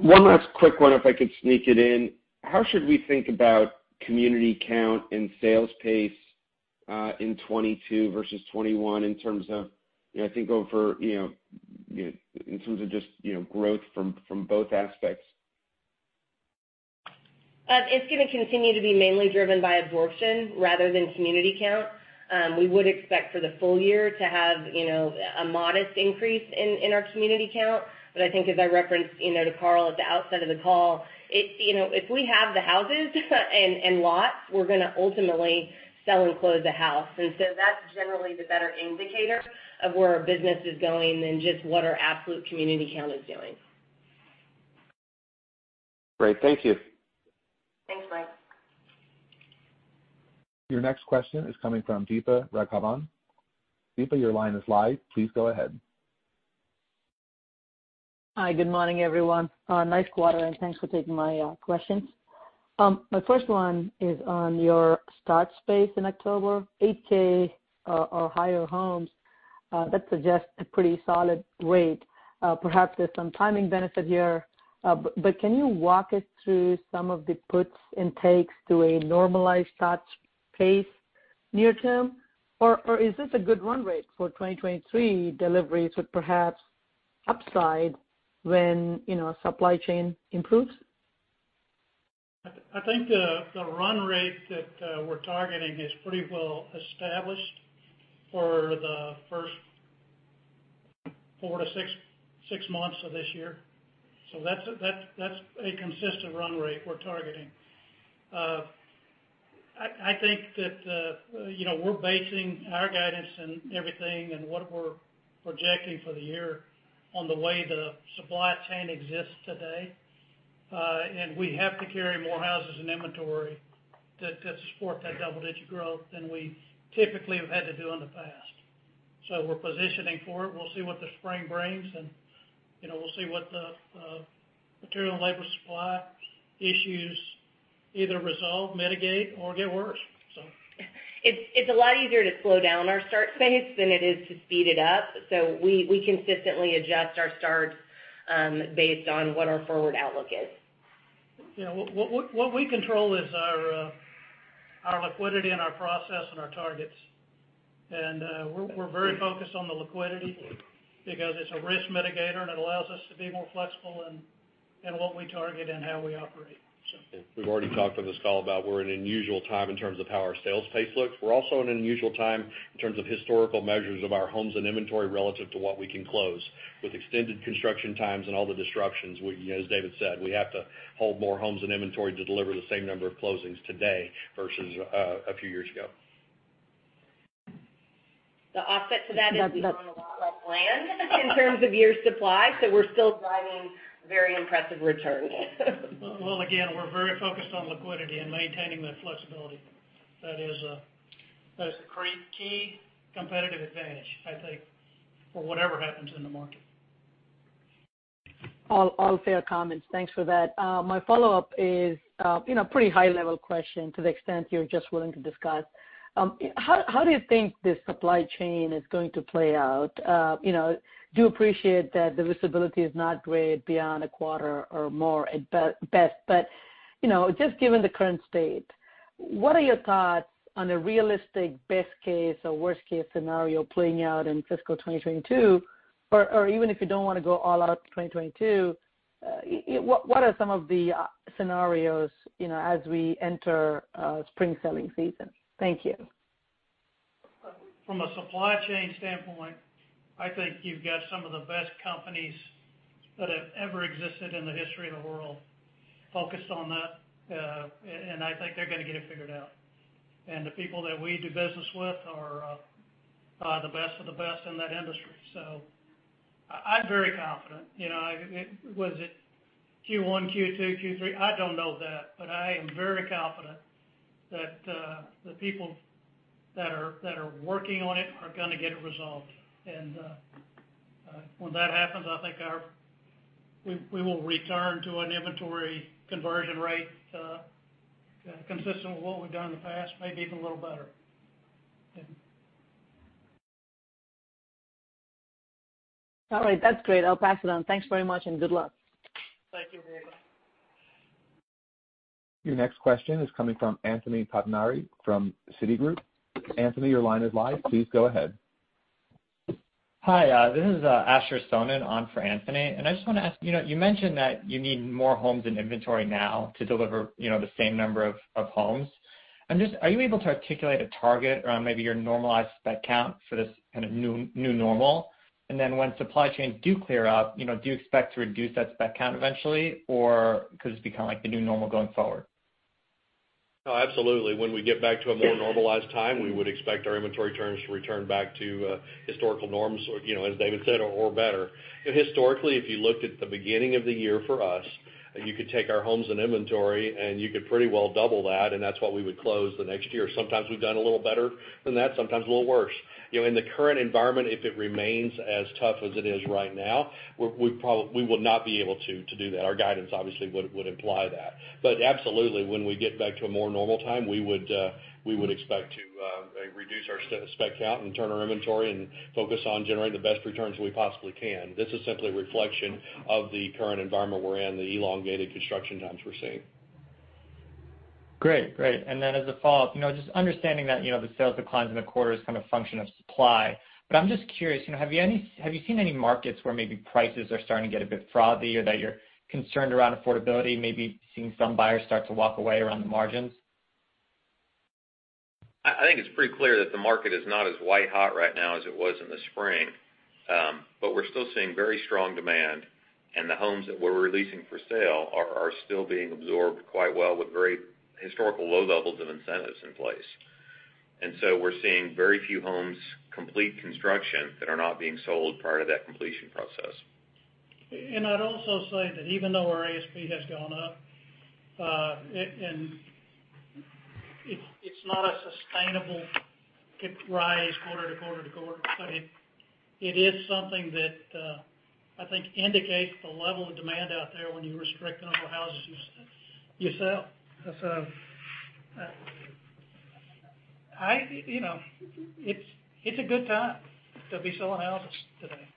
One last quick one if I could sneak it in. How should we think about community count and sales pace in 2022 versus 2021 in terms of, you know, I think overall, you know, in terms of just, you know, growth from both aspects? It's gonna continue to be mainly driven by absorption rather than community count. We would expect for the full year to have, you know, a modest increase in our community count. I think as I referenced, you know, to Carl at the outset of the call, it's, you know, if we have the houses and lots, we're gonna ultimately sell and close the house. That's generally the better indicator of where our business is going than just what our absolute community count is doing. Great. Thank you. Thanks, Mike. Your next question is coming from Deepa Raghavan. Deepa, your line is live. Please go ahead. Hi. Good morning, everyone. Nice quarter, and thanks for taking my questions. My first one is on your start pace in October, 8,000 or higher homes, that suggests a pretty solid rate. Perhaps there's some timing benefit here. But can you walk us through some of the puts and takes to a normalized start pace near term? Or is this a good run rate for 2023 deliveries with perhaps upside when, you know, supply chain improves? I think the run rate that we're targeting is pretty well established for the first four to six months of this year. That's a consistent run rate we're targeting. I think that you know, we're basing our guidance and everything and what we're projecting for the year on the way the supply chain exists today. We have to carry more houses and inventory to support that double-digit growth than we typically have had to do in the past. We're positioning for it. We'll see what the spring brings and you know, we'll see what the material and labor supply issues either resolve, mitigate or get worse. It's a lot easier to slow down our start pace than it is to speed it up. We consistently adjust our starts based on what our forward outlook is. Yeah. What we control is our liquidity and our process and our targets. We're very focused on the liquidity because it's a risk mitigator, and it allows us to be more flexible in what we target and how we operate. Yeah. We've already talked on this call about we're in an unusual time in terms of how our sales pace looks. We're also in an unusual time in terms of historical measures of our homes and inventory relative to what we can close. With extended construction times and all the disruptions, we, as David said, we have to hold more homes and inventory to deliver the same number of closings today versus a few years ago. The offset to that is we own a lot less land in terms of year's supply, so we're still driving very impressive returns. Well, again, we're very focused on liquidity and maintaining that flexibility. That is a key competitive advantage, I think, for whatever happens in the market. All fair comments. Thanks for that. My follow-up is, you know, pretty high level question to the extent you're just willing to discuss. How do you think this supply chain is going to play out? You know, do appreciate that the visibility is not great beyond a quarter or more at best, but, you know, just given the current state, what are your thoughts on a realistic best case or worst case scenario playing out in fiscal 2022? Or even if you don't wanna go all out to 2022, what are some of the scenarios, you know, as we enter spring selling season? Thank you. From a supply chain standpoint, I think you've got some of the best companies that have ever existed in the history of the world focused on that. I think they're gonna get it figured out. The people that we do business with are the best of the best in that industry. I'm very confident. You know, was it Q1, Q2, Q3? I don't know that, but I am very confident that the people that are working on it are gonna get it resolved. When that happens, I think we will return to an inventory conversion rate consistent with what we've done in the past, maybe even a little better. All right. That's great. I'll pass it on. Thanks very much, and good luck. Thank you very much. Your next question is coming from Anthony Pettinari from Citigroup. Anthony, your line is live. Please go ahead. Hi, this is Asher Sohnen on for Anthony, and I just wanna ask, you know, you mentioned that you need more homes and inventory now to deliver, you know, the same number of homes. Are you able to articulate a target around maybe your normalized spec count for this kind of new normal? And then when supply chain does clear up, you know, do you expect to reduce that spec count eventually or could this become like the new normal going forward? No, absolutely. When we get back to a more normalized time, we would expect our inventory turns to return back to historical norms or, you know, as David said, or better. You know, historically, if you looked at the beginning of the year for us, you could take our homes and inventory, and you could pretty well double that, and that's what we would close the next year. Sometimes we've done a little better than that, sometimes a little worse. You know, in the current environment, if it remains as tough as it is right now, we would not be able to do that. Our guidance obviously would imply that. Absolutely, when we get back to a more normal time, we would expect to reduce our spec count and turn our inventory and focus on generating the best returns we possibly can. This is simply a reflection of the current environment we're in, the elongated construction times we're seeing. Great. Great. As a follow-up, you know, just understanding that, you know, the sales declines in the quarter is kind of function of supply, but I'm just curious, you know, have you seen any markets where maybe prices are starting to get a bit frothy or that you're concerned around affordability, maybe seeing some buyers start to walk away around the margins? I think it's pretty clear that the market is not as white hot right now as it was in the spring. But we're still seeing very strong demand, and the homes that we're releasing for sale are still being absorbed quite well with very historically low levels of incentives in place. We're seeing very few homes complete construction that are not being sold prior to that completion process. I'd also say that even though our ASP has gone up, it's not a sustainable price rise quarter to quarter to quarter. It is something that I think indicates the level of demand out there when you restrict the number of houses you sell. You know, it's a good time to be selling houses today.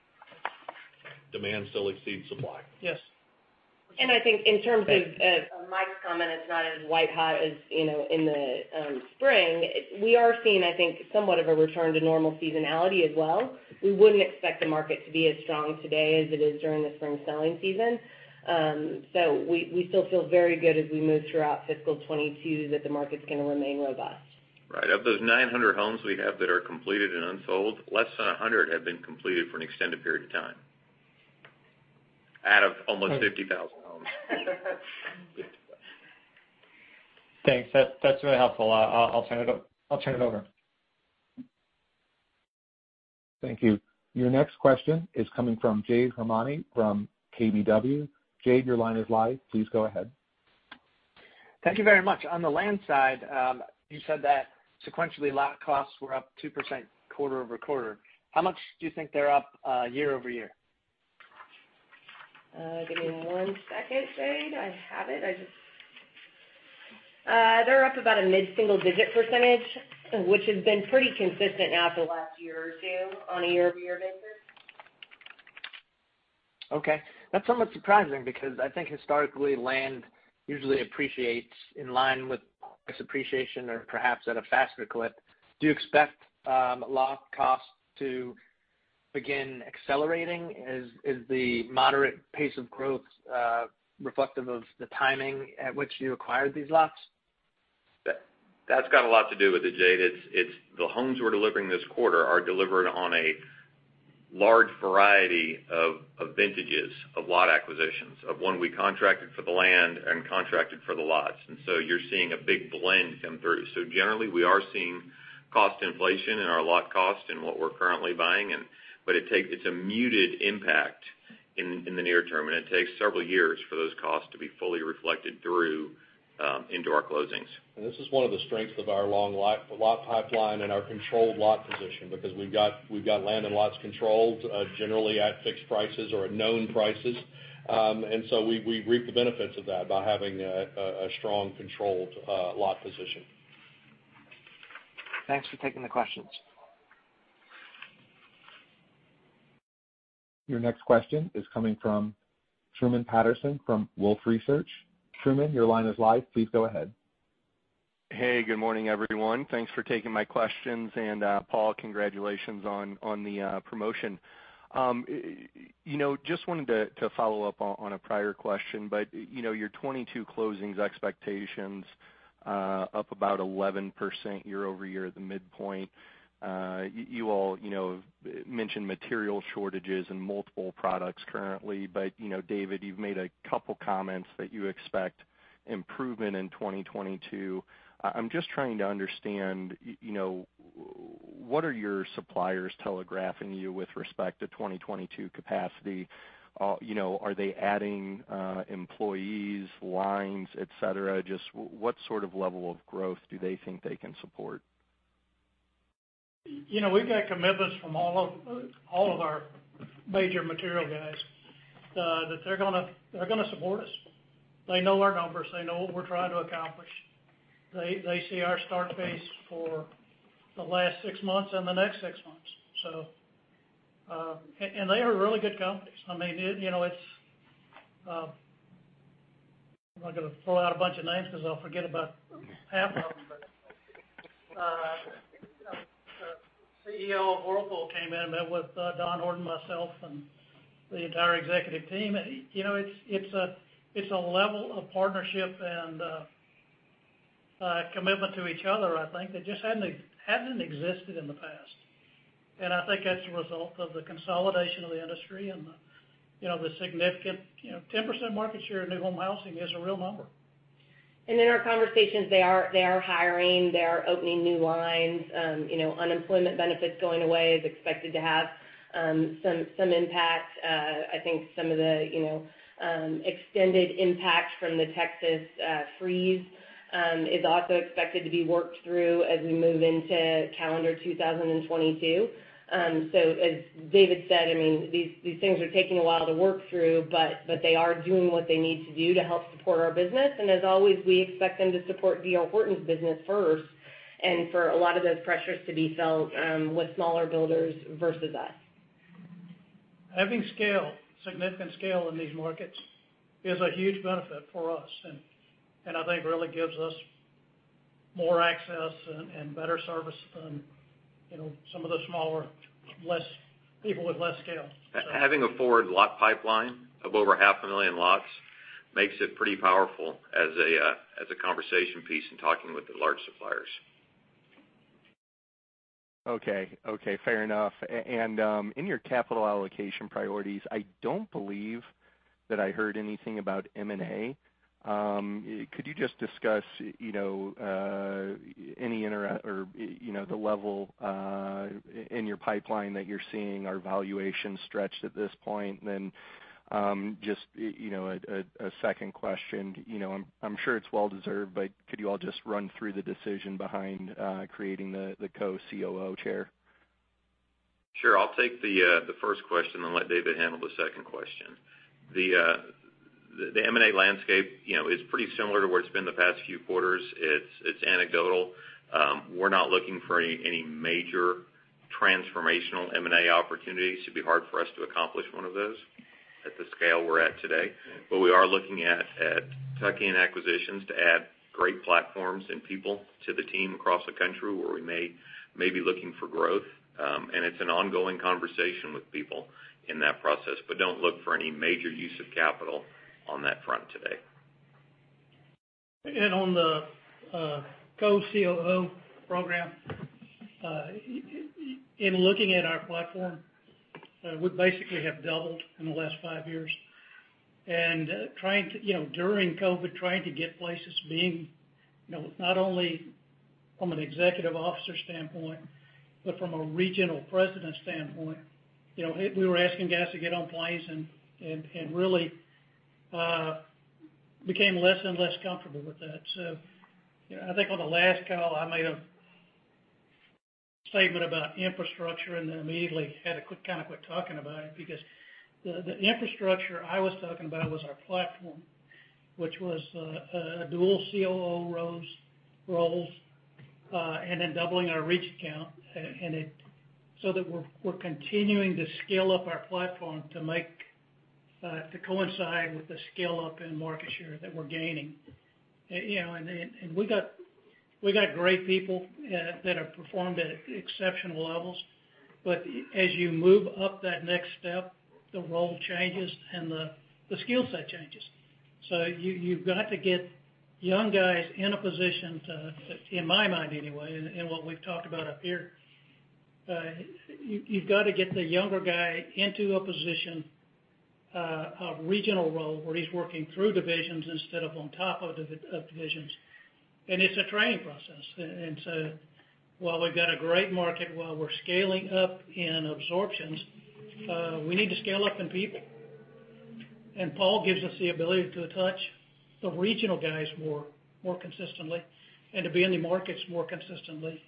Demand still exceeds supply. Yes. I think in terms of Mike's comment, it's not as white hot as, you know, in the spring, we are seeing, I think, somewhat of a return to normal seasonality as well. We wouldn't expect the market to be as strong today as it is during the spring selling season. We still feel very good as we move throughout fiscal 2022 that the market's gonna remain robust. Right. Of those 900 homes we have that are completed and unsold, less than 100 have been completed for an extended period of time, out of almost 50,000 homes. Thanks. That's really helpful. I'll turn it over. Thank you. Your next question is coming from Jade Rahmani from KBW. Jade, your line is live. Please go ahead. Thank you very much. On the land side, you said that sequentially lot costs were up 2% quarter-over-quarter. How much do you think they're up, year-over-year? Give me one second, Jade. I have it. They're up about a mid-single digit percentage, which has been pretty consistent now for the last year or two on a year-over-year basis. Okay. That's somewhat surprising because I think historically land usually appreciates in line with price appreciation or perhaps at a faster clip. Do you expect lot costs to begin accelerating? Is the moderate pace of growth reflective of the timing at which you acquired these lots? That's got a lot to do with it, Jade. It's the homes we're delivering this quarter are delivered on a large variety of vintages of lot acquisitions of when we contracted for the land and contracted for the lots. You're seeing a big blend come through. Generally, we are seeing cost inflation in our lot cost and what we're currently buying. It's a muted impact in the near term, and it takes several years for those costs to be fully reflected through into our closings. This is one of the strengths of our long lot pipeline and our controlled lot position because we've got land and lots controlled generally at fixed prices or at known prices. We reap the benefits of that by having a strong controlled lot position. Thanks for taking the questions. Your next question is coming from Truman Patterson from Wolfe Research. Truman, your line is live. Please go ahead. Hey, good morning, everyone. Thanks for taking my questions. Paul, congratulations on the promotion. You know, just wanted to follow up on a prior question, but you know, your 2022 closings expectations, up about 11% year-over-year at the midpoint. You all, you know, mentioned material shortages in multiple products currently, but, you know, David, you've made a couple comments that you expect improvement in 2022. I'm just trying to understand, you know, what are your suppliers telegraphing you with respect to 2022 capacity? You know, are they adding employees, lines, et cetera? Just what sort of level of growth do they think they can support? You know, we've got commitments from all of our major material guys that they're gonna support us. They know our numbers. They know what we're trying to accomplish. They see our start pace for the last six months and the next six months, and they are really good companies. I mean, you know, I'm not gonna throw out a bunch of names because I'll forget about half of them. The CEO of Oracle came in and met with Don Horton, myself, and the entire executive team. You know, it's a level of partnership and commitment to each other, I think, that just hadn't existed in the past. I think that's a result of the consolidation of the industry and the, you know, the significant, you know, 10% market share of new home housing is a real number. In our conversations, they are hiring, they are opening new lines. You know, unemployment benefits going away is expected to have some impact. I think some of the, you know, extended impact from the Texas freeze is also expected to be worked through as we move into calendar 2022. As David said, I mean, these things are taking a while to work through, but they are doing what they need to do to help support our business. As always, we expect them to support D.R. Horton's business first, and for a lot of those pressures to be felt with smaller builders versus us. Having scale, significant scale in these markets is a huge benefit for us, and I think really gives us more access and better service than, you know, some of the smaller, less people with less scale. Having a forward lot pipeline of over 500,000 lots makes it pretty powerful as a conversation piece in talking with the large suppliers. Okay. Okay, fair enough. In your capital allocation priorities, I don't believe that I heard anything about M&A. Could you just discuss, you know, the level in your pipeline that you're seeing? Are valuations stretched at this point? Just, you know, a second question. You know, I'm sure it's well deserved, but could you all just run through the decision behind creating the Co-COO chair? Sure. I'll take the first question and let David handle the second question. The M&A landscape, you know, is pretty similar to where it's been the past few quarters. It's anecdotal. We're not looking for any major transformational M&A opportunities. It'd be hard for us to accomplish one of those at the scale we're at today. We are looking at tuck-in acquisitions to add great platforms and people to the team across the country where we may be looking for growth. It's an ongoing conversation with people in that process. Don't look for any major use of capital on that front today. On the Co-COO program, in looking at our platform, we basically have doubled in the last five years. Trying to you know, during COVID, trying to get places, being, you know, not only from an executive officer standpoint, but from a regional president standpoint, you know, we were asking guys to get on planes and really became less and less comfortable with that. You know, I think on the last call, I made a statement about infrastructure and then immediately had to kind of quit talking about it because the infrastructure I was talking about was our platform, which was a dual COO roles and then doubling our region count, and so that we're continuing to scale up our platform to make to coincide with the scale up in market share that we're gaining. You know, and we got great people that have performed at exceptional levels. But as you move up that next step, the role changes and the skill set changes. You've got to get young guys in a position, in my mind anyway, and what we've talked about up here, a regional role where he's working through divisions instead of on top of divisions. It's a training process. While we've got a great market, while we're scaling up in absorptions, we need to scale up in people. Paul gives us the ability to touch the regional guys more consistently and to be in the markets more consistently,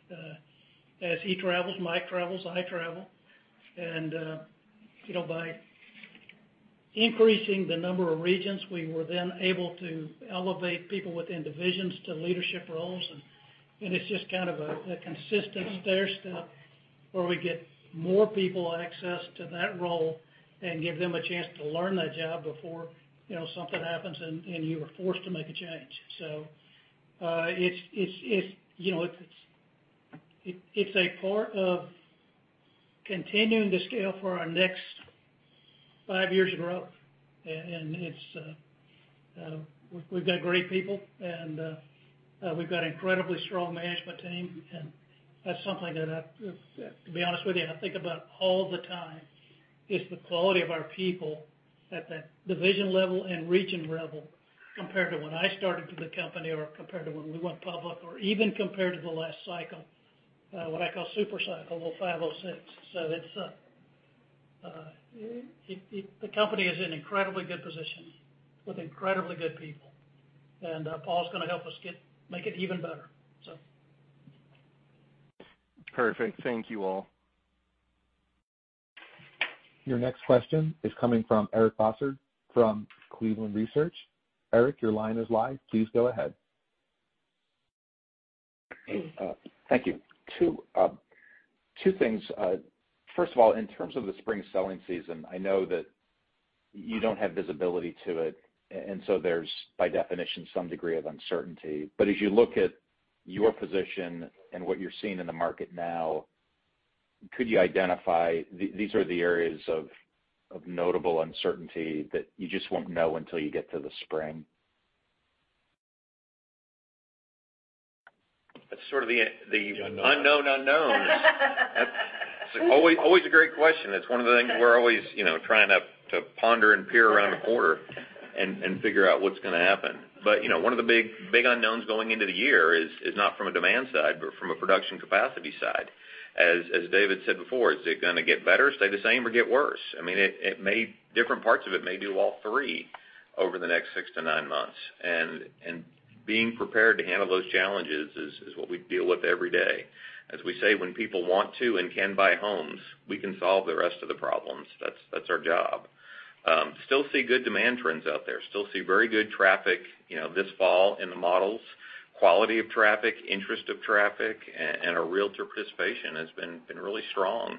as he travels, Mike travels, I travel. You know, by increasing the number of regions, we were then able to elevate people within divisions to leadership roles. It's just kind of a consistent stair step where we get more people access to that role and give them a chance to learn that job before, you know, something happens and you are forced to make a change. You know, it's a part of continuing to scale for our next five years of growth. It's, we've got great people and we've got incredibly strong management team. That's something that I've, to be honest with you, I think about all the time is the quality of our people at the division level and region level compared to when I started with the company or compared to when we went public, or even compared to the last cycle, what I call super cycle, the 05, 06. The company is in incredibly good position with incredibly good people. Paul's gonna help us make it even better, so. Perfect. Thank you, all. Your next question is coming from Eric Bosshard from Cleveland Research. Eric, your line is live. Please go ahead. Thank you. Two things. First of all, in terms of the spring selling season, I know that you don't have visibility to it, and so there's, by definition, some degree of uncertainty. As you look at your position and what you're seeing in the market now, could you identify these are the areas of notable uncertainty that you just won't know until you get to the spring? That's sort of the unknown unknowns. It's always a great question. It's one of the things we're always, you know, trying to ponder and peer around the corner and figure out what's gonna happen. You know, one of the big unknowns going into the year is not from a demand side, but from a production capacity side. As David said before, is it gonna get better, stay the same or get worse? I mean, it may. Different parts of it may do all three over the next six-nine months. Being prepared to handle those challenges is what we deal with every day. As we say, when people want to and can buy homes, we can solve the rest of the problems. That's our job. We still see good demand trends out there. Still see very good traffic, you know, this fall in the models. Quality of traffic, interest in traffic and our realtor participation has been really strong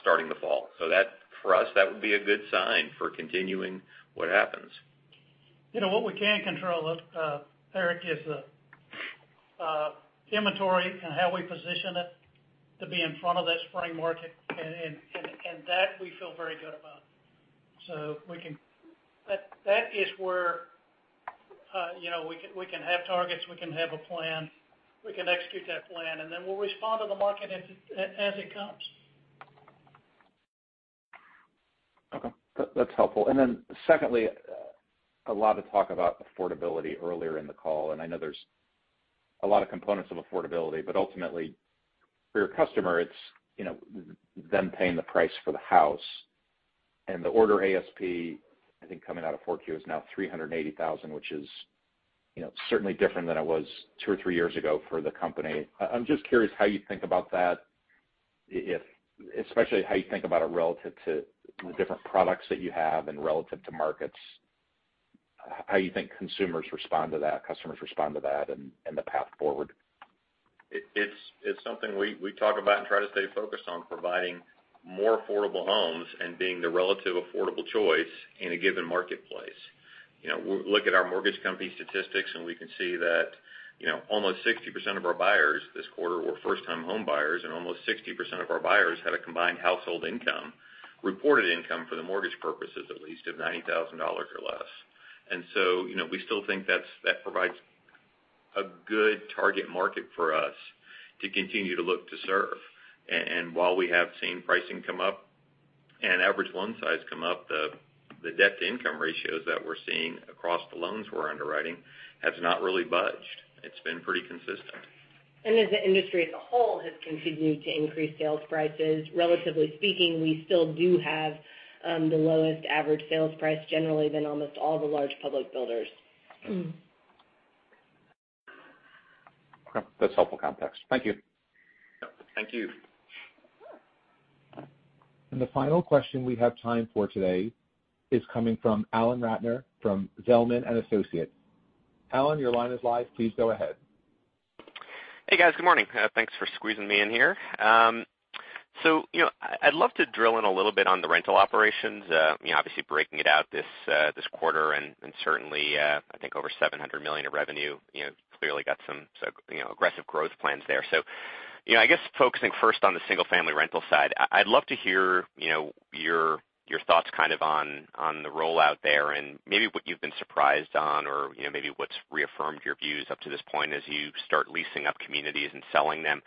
starting the fall. That for us would be a good sign for continuing what happens. You know, what we can control, Eric, is the inventory and how we position it to be in front of that spring market that we feel very good about. That is where you know, we can have targets, we can have a plan, we can execute that plan, and then we'll respond to the market as it comes. Okay. That's helpful. Secondly, a lot of talk about affordability earlier in the call, and I know there's a lot of components of affordability, but ultimately for your customer, it's, you know, them paying the price for the house. The order ASP, I think coming out of 4Q is now $380,000, which is, you know, certainly different than it was two or three years ago for the company. I'm just curious how you think about that, if. Especially how you think about it relative to the different products that you have and relative to markets, how you think consumers respond to that, customers respond to that, and the path forward. It's something we talk about and try to stay focused on providing more affordable homes and being the relative affordable choice in a given marketplace. You know, we look at our mortgage company statistics, and we can see that, you know, almost 60% of our buyers this quarter were first-time home buyers, and almost 60% of our buyers had a combined household income, reported income for the mortgage purposes at least, of $90,000 or less. You know, we still think that provides a good target market for us to continue to look to serve. While we have seen pricing come up and average loan size come up, the debt-to-income ratios that we're seeing across the loans we're underwriting has not really budged. It's been pretty consistent. As the industry as a whole has continued to increase sales prices, relatively speaking, we still do have the lowest average sales price generally than almost all the large public builders. Okay. That's helpful context. Thank you. Thank you. The final question we have time for today is coming from Alan Ratner from Zelman & Associates. Alan, your line is live. Please go ahead. Hey, guys. Good morning. Thanks for squeezing me in here. So, you know, I'd love to drill in a little bit on the rental operations. You know, obviously breaking it out this quarter, and certainly, I think over $700 million of revenue, you know, clearly got some so, you know, aggressive growth plans there. So, you know, I guess focusing first on the single-family rental side, I'd love to hear, you know, your thoughts kind of on the rollout there and maybe what you've been surprised on or, you know, maybe what's reaffirmed your views up to this point as you start leasing up communities and selling them.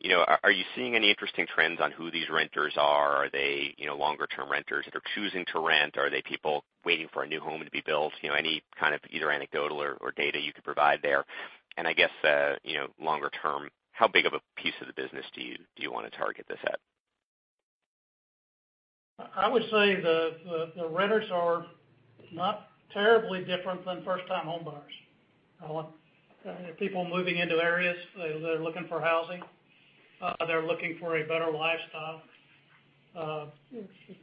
You know, are you seeing any interesting trends on who these renters are? Are they, you know, longer term renters that are choosing to rent? Are they people waiting for a new home to be built? You know, any kind of either anecdotal or data you could provide there. I guess, you know, longer term, how big of a piece of the business do you wanna target this at? I would say the renters are not terribly different than first-time home buyers. People moving into areas, they're looking for housing, they're looking for a better lifestyle.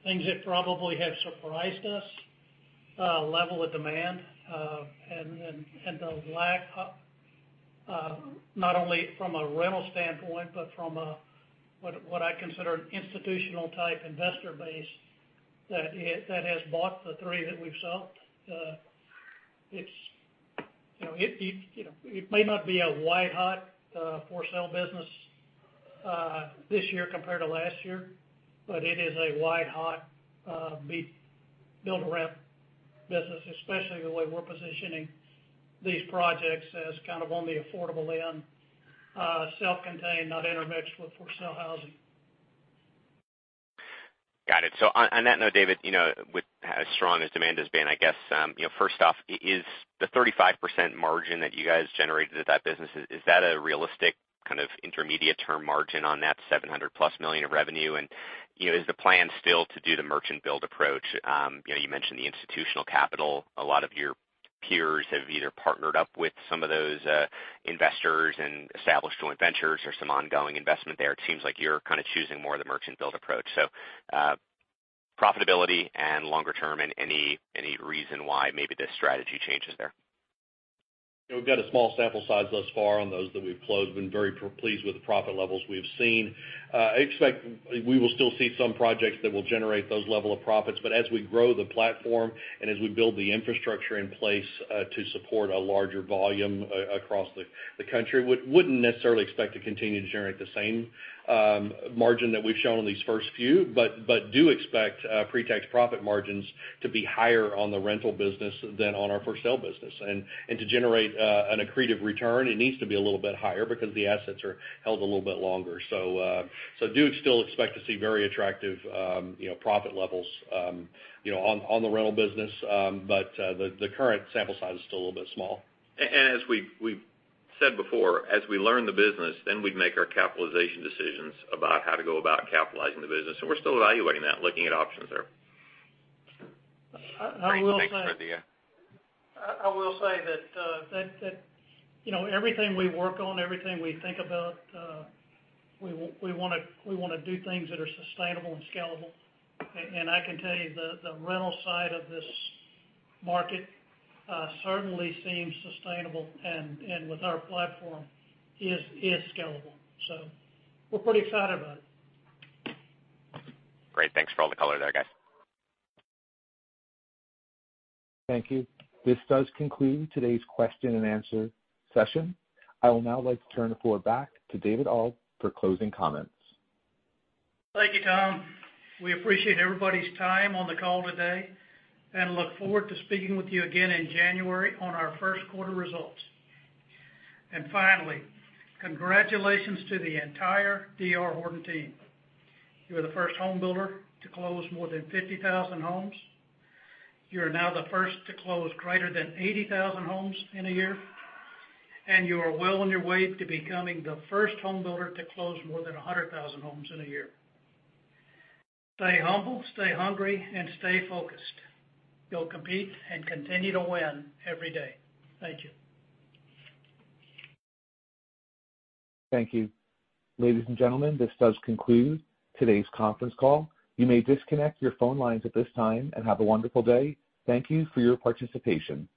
Things that probably have surprised us, level of demand, and the lack, not only from a rental standpoint, but from a, what I consider an institutional type investor base that has bought the three that we've sold. It's, you know, it may not be a white-hot for sale business this year compared to last year, but it is a white-hot build-to-rent business, especially the way we're positioning these projects as kind of on the affordable end, self-contained, not intermixed with for sale housing. Got it. On that note, David, you know, with as strong as demand has been, I guess, you know, first off, is the 35% margin that you guys generated at that business, is that a realistic kind of intermediate term margin on that +$700 million of revenue? And, you know, is the plan still to do the merchant build approach? You know, you mentioned the institutional capital. A lot of your peers have either partnered up with some of those investors and established joint ventures or some ongoing investment there. It seems like you're kind of choosing more of the merchant build approach. Profitability and longer term, and any reason why maybe this strategy changes there? We've got a small sample size thus far on those that we've closed. We've been very pleased with the profit levels we've seen. I expect we will still see some projects that will generate those level of profits, but as we grow the platform and as we build the infrastructure in place to support a larger volume across the country, wouldn't necessarily expect to continue to generate the same margin that we've shown on these first few, but do expect pre-tax profit margins to be higher on the rental business than on our for sale business. To generate an accretive return, it needs to be a little bit higher because the assets are held a little bit longer. Do still expect to see very attractive, you know, profit levels, you know, on the rental business. The current sample size is still a little bit small. As we've said before, as we learn the business, then we'd make our capitalization decisions about how to go about capitalizing the business. We're still evaluating that and looking at options there. Great. I will say. Thanks, Yeah. I will say that, you know, everything we work on, everything we think about, we wanna do things that are sustainable and scalable. I can tell you the rental side of this market certainly seems sustainable, and with our platform is scalable. We're pretty excited about it. Great. Thanks for all the color there, guys. Thank you. This does conclude today's question and answer session. I would now like to turn the floor back to David Auld for closing comments. Thank you, Tom. We appreciate everybody's time on the call today and look forward to speaking with you again in January on our first quarter results. Finally, congratulations to the entire D.R. Horton team. You are the first home builder to close more than 50,000 homes. You are now the first to close greater than 80,000 homes in a year, and you are well on your way to becoming the first home builder to close more than 100,000 homes in a year. Stay humble, stay hungry, and stay focused. Go compete and continue to win every day. Thank you. Thank you. Ladies and gentlemen, this does conclude today's conference call. You may disconnect your phone lines at this time and have a wonderful day. Thank you for your participation.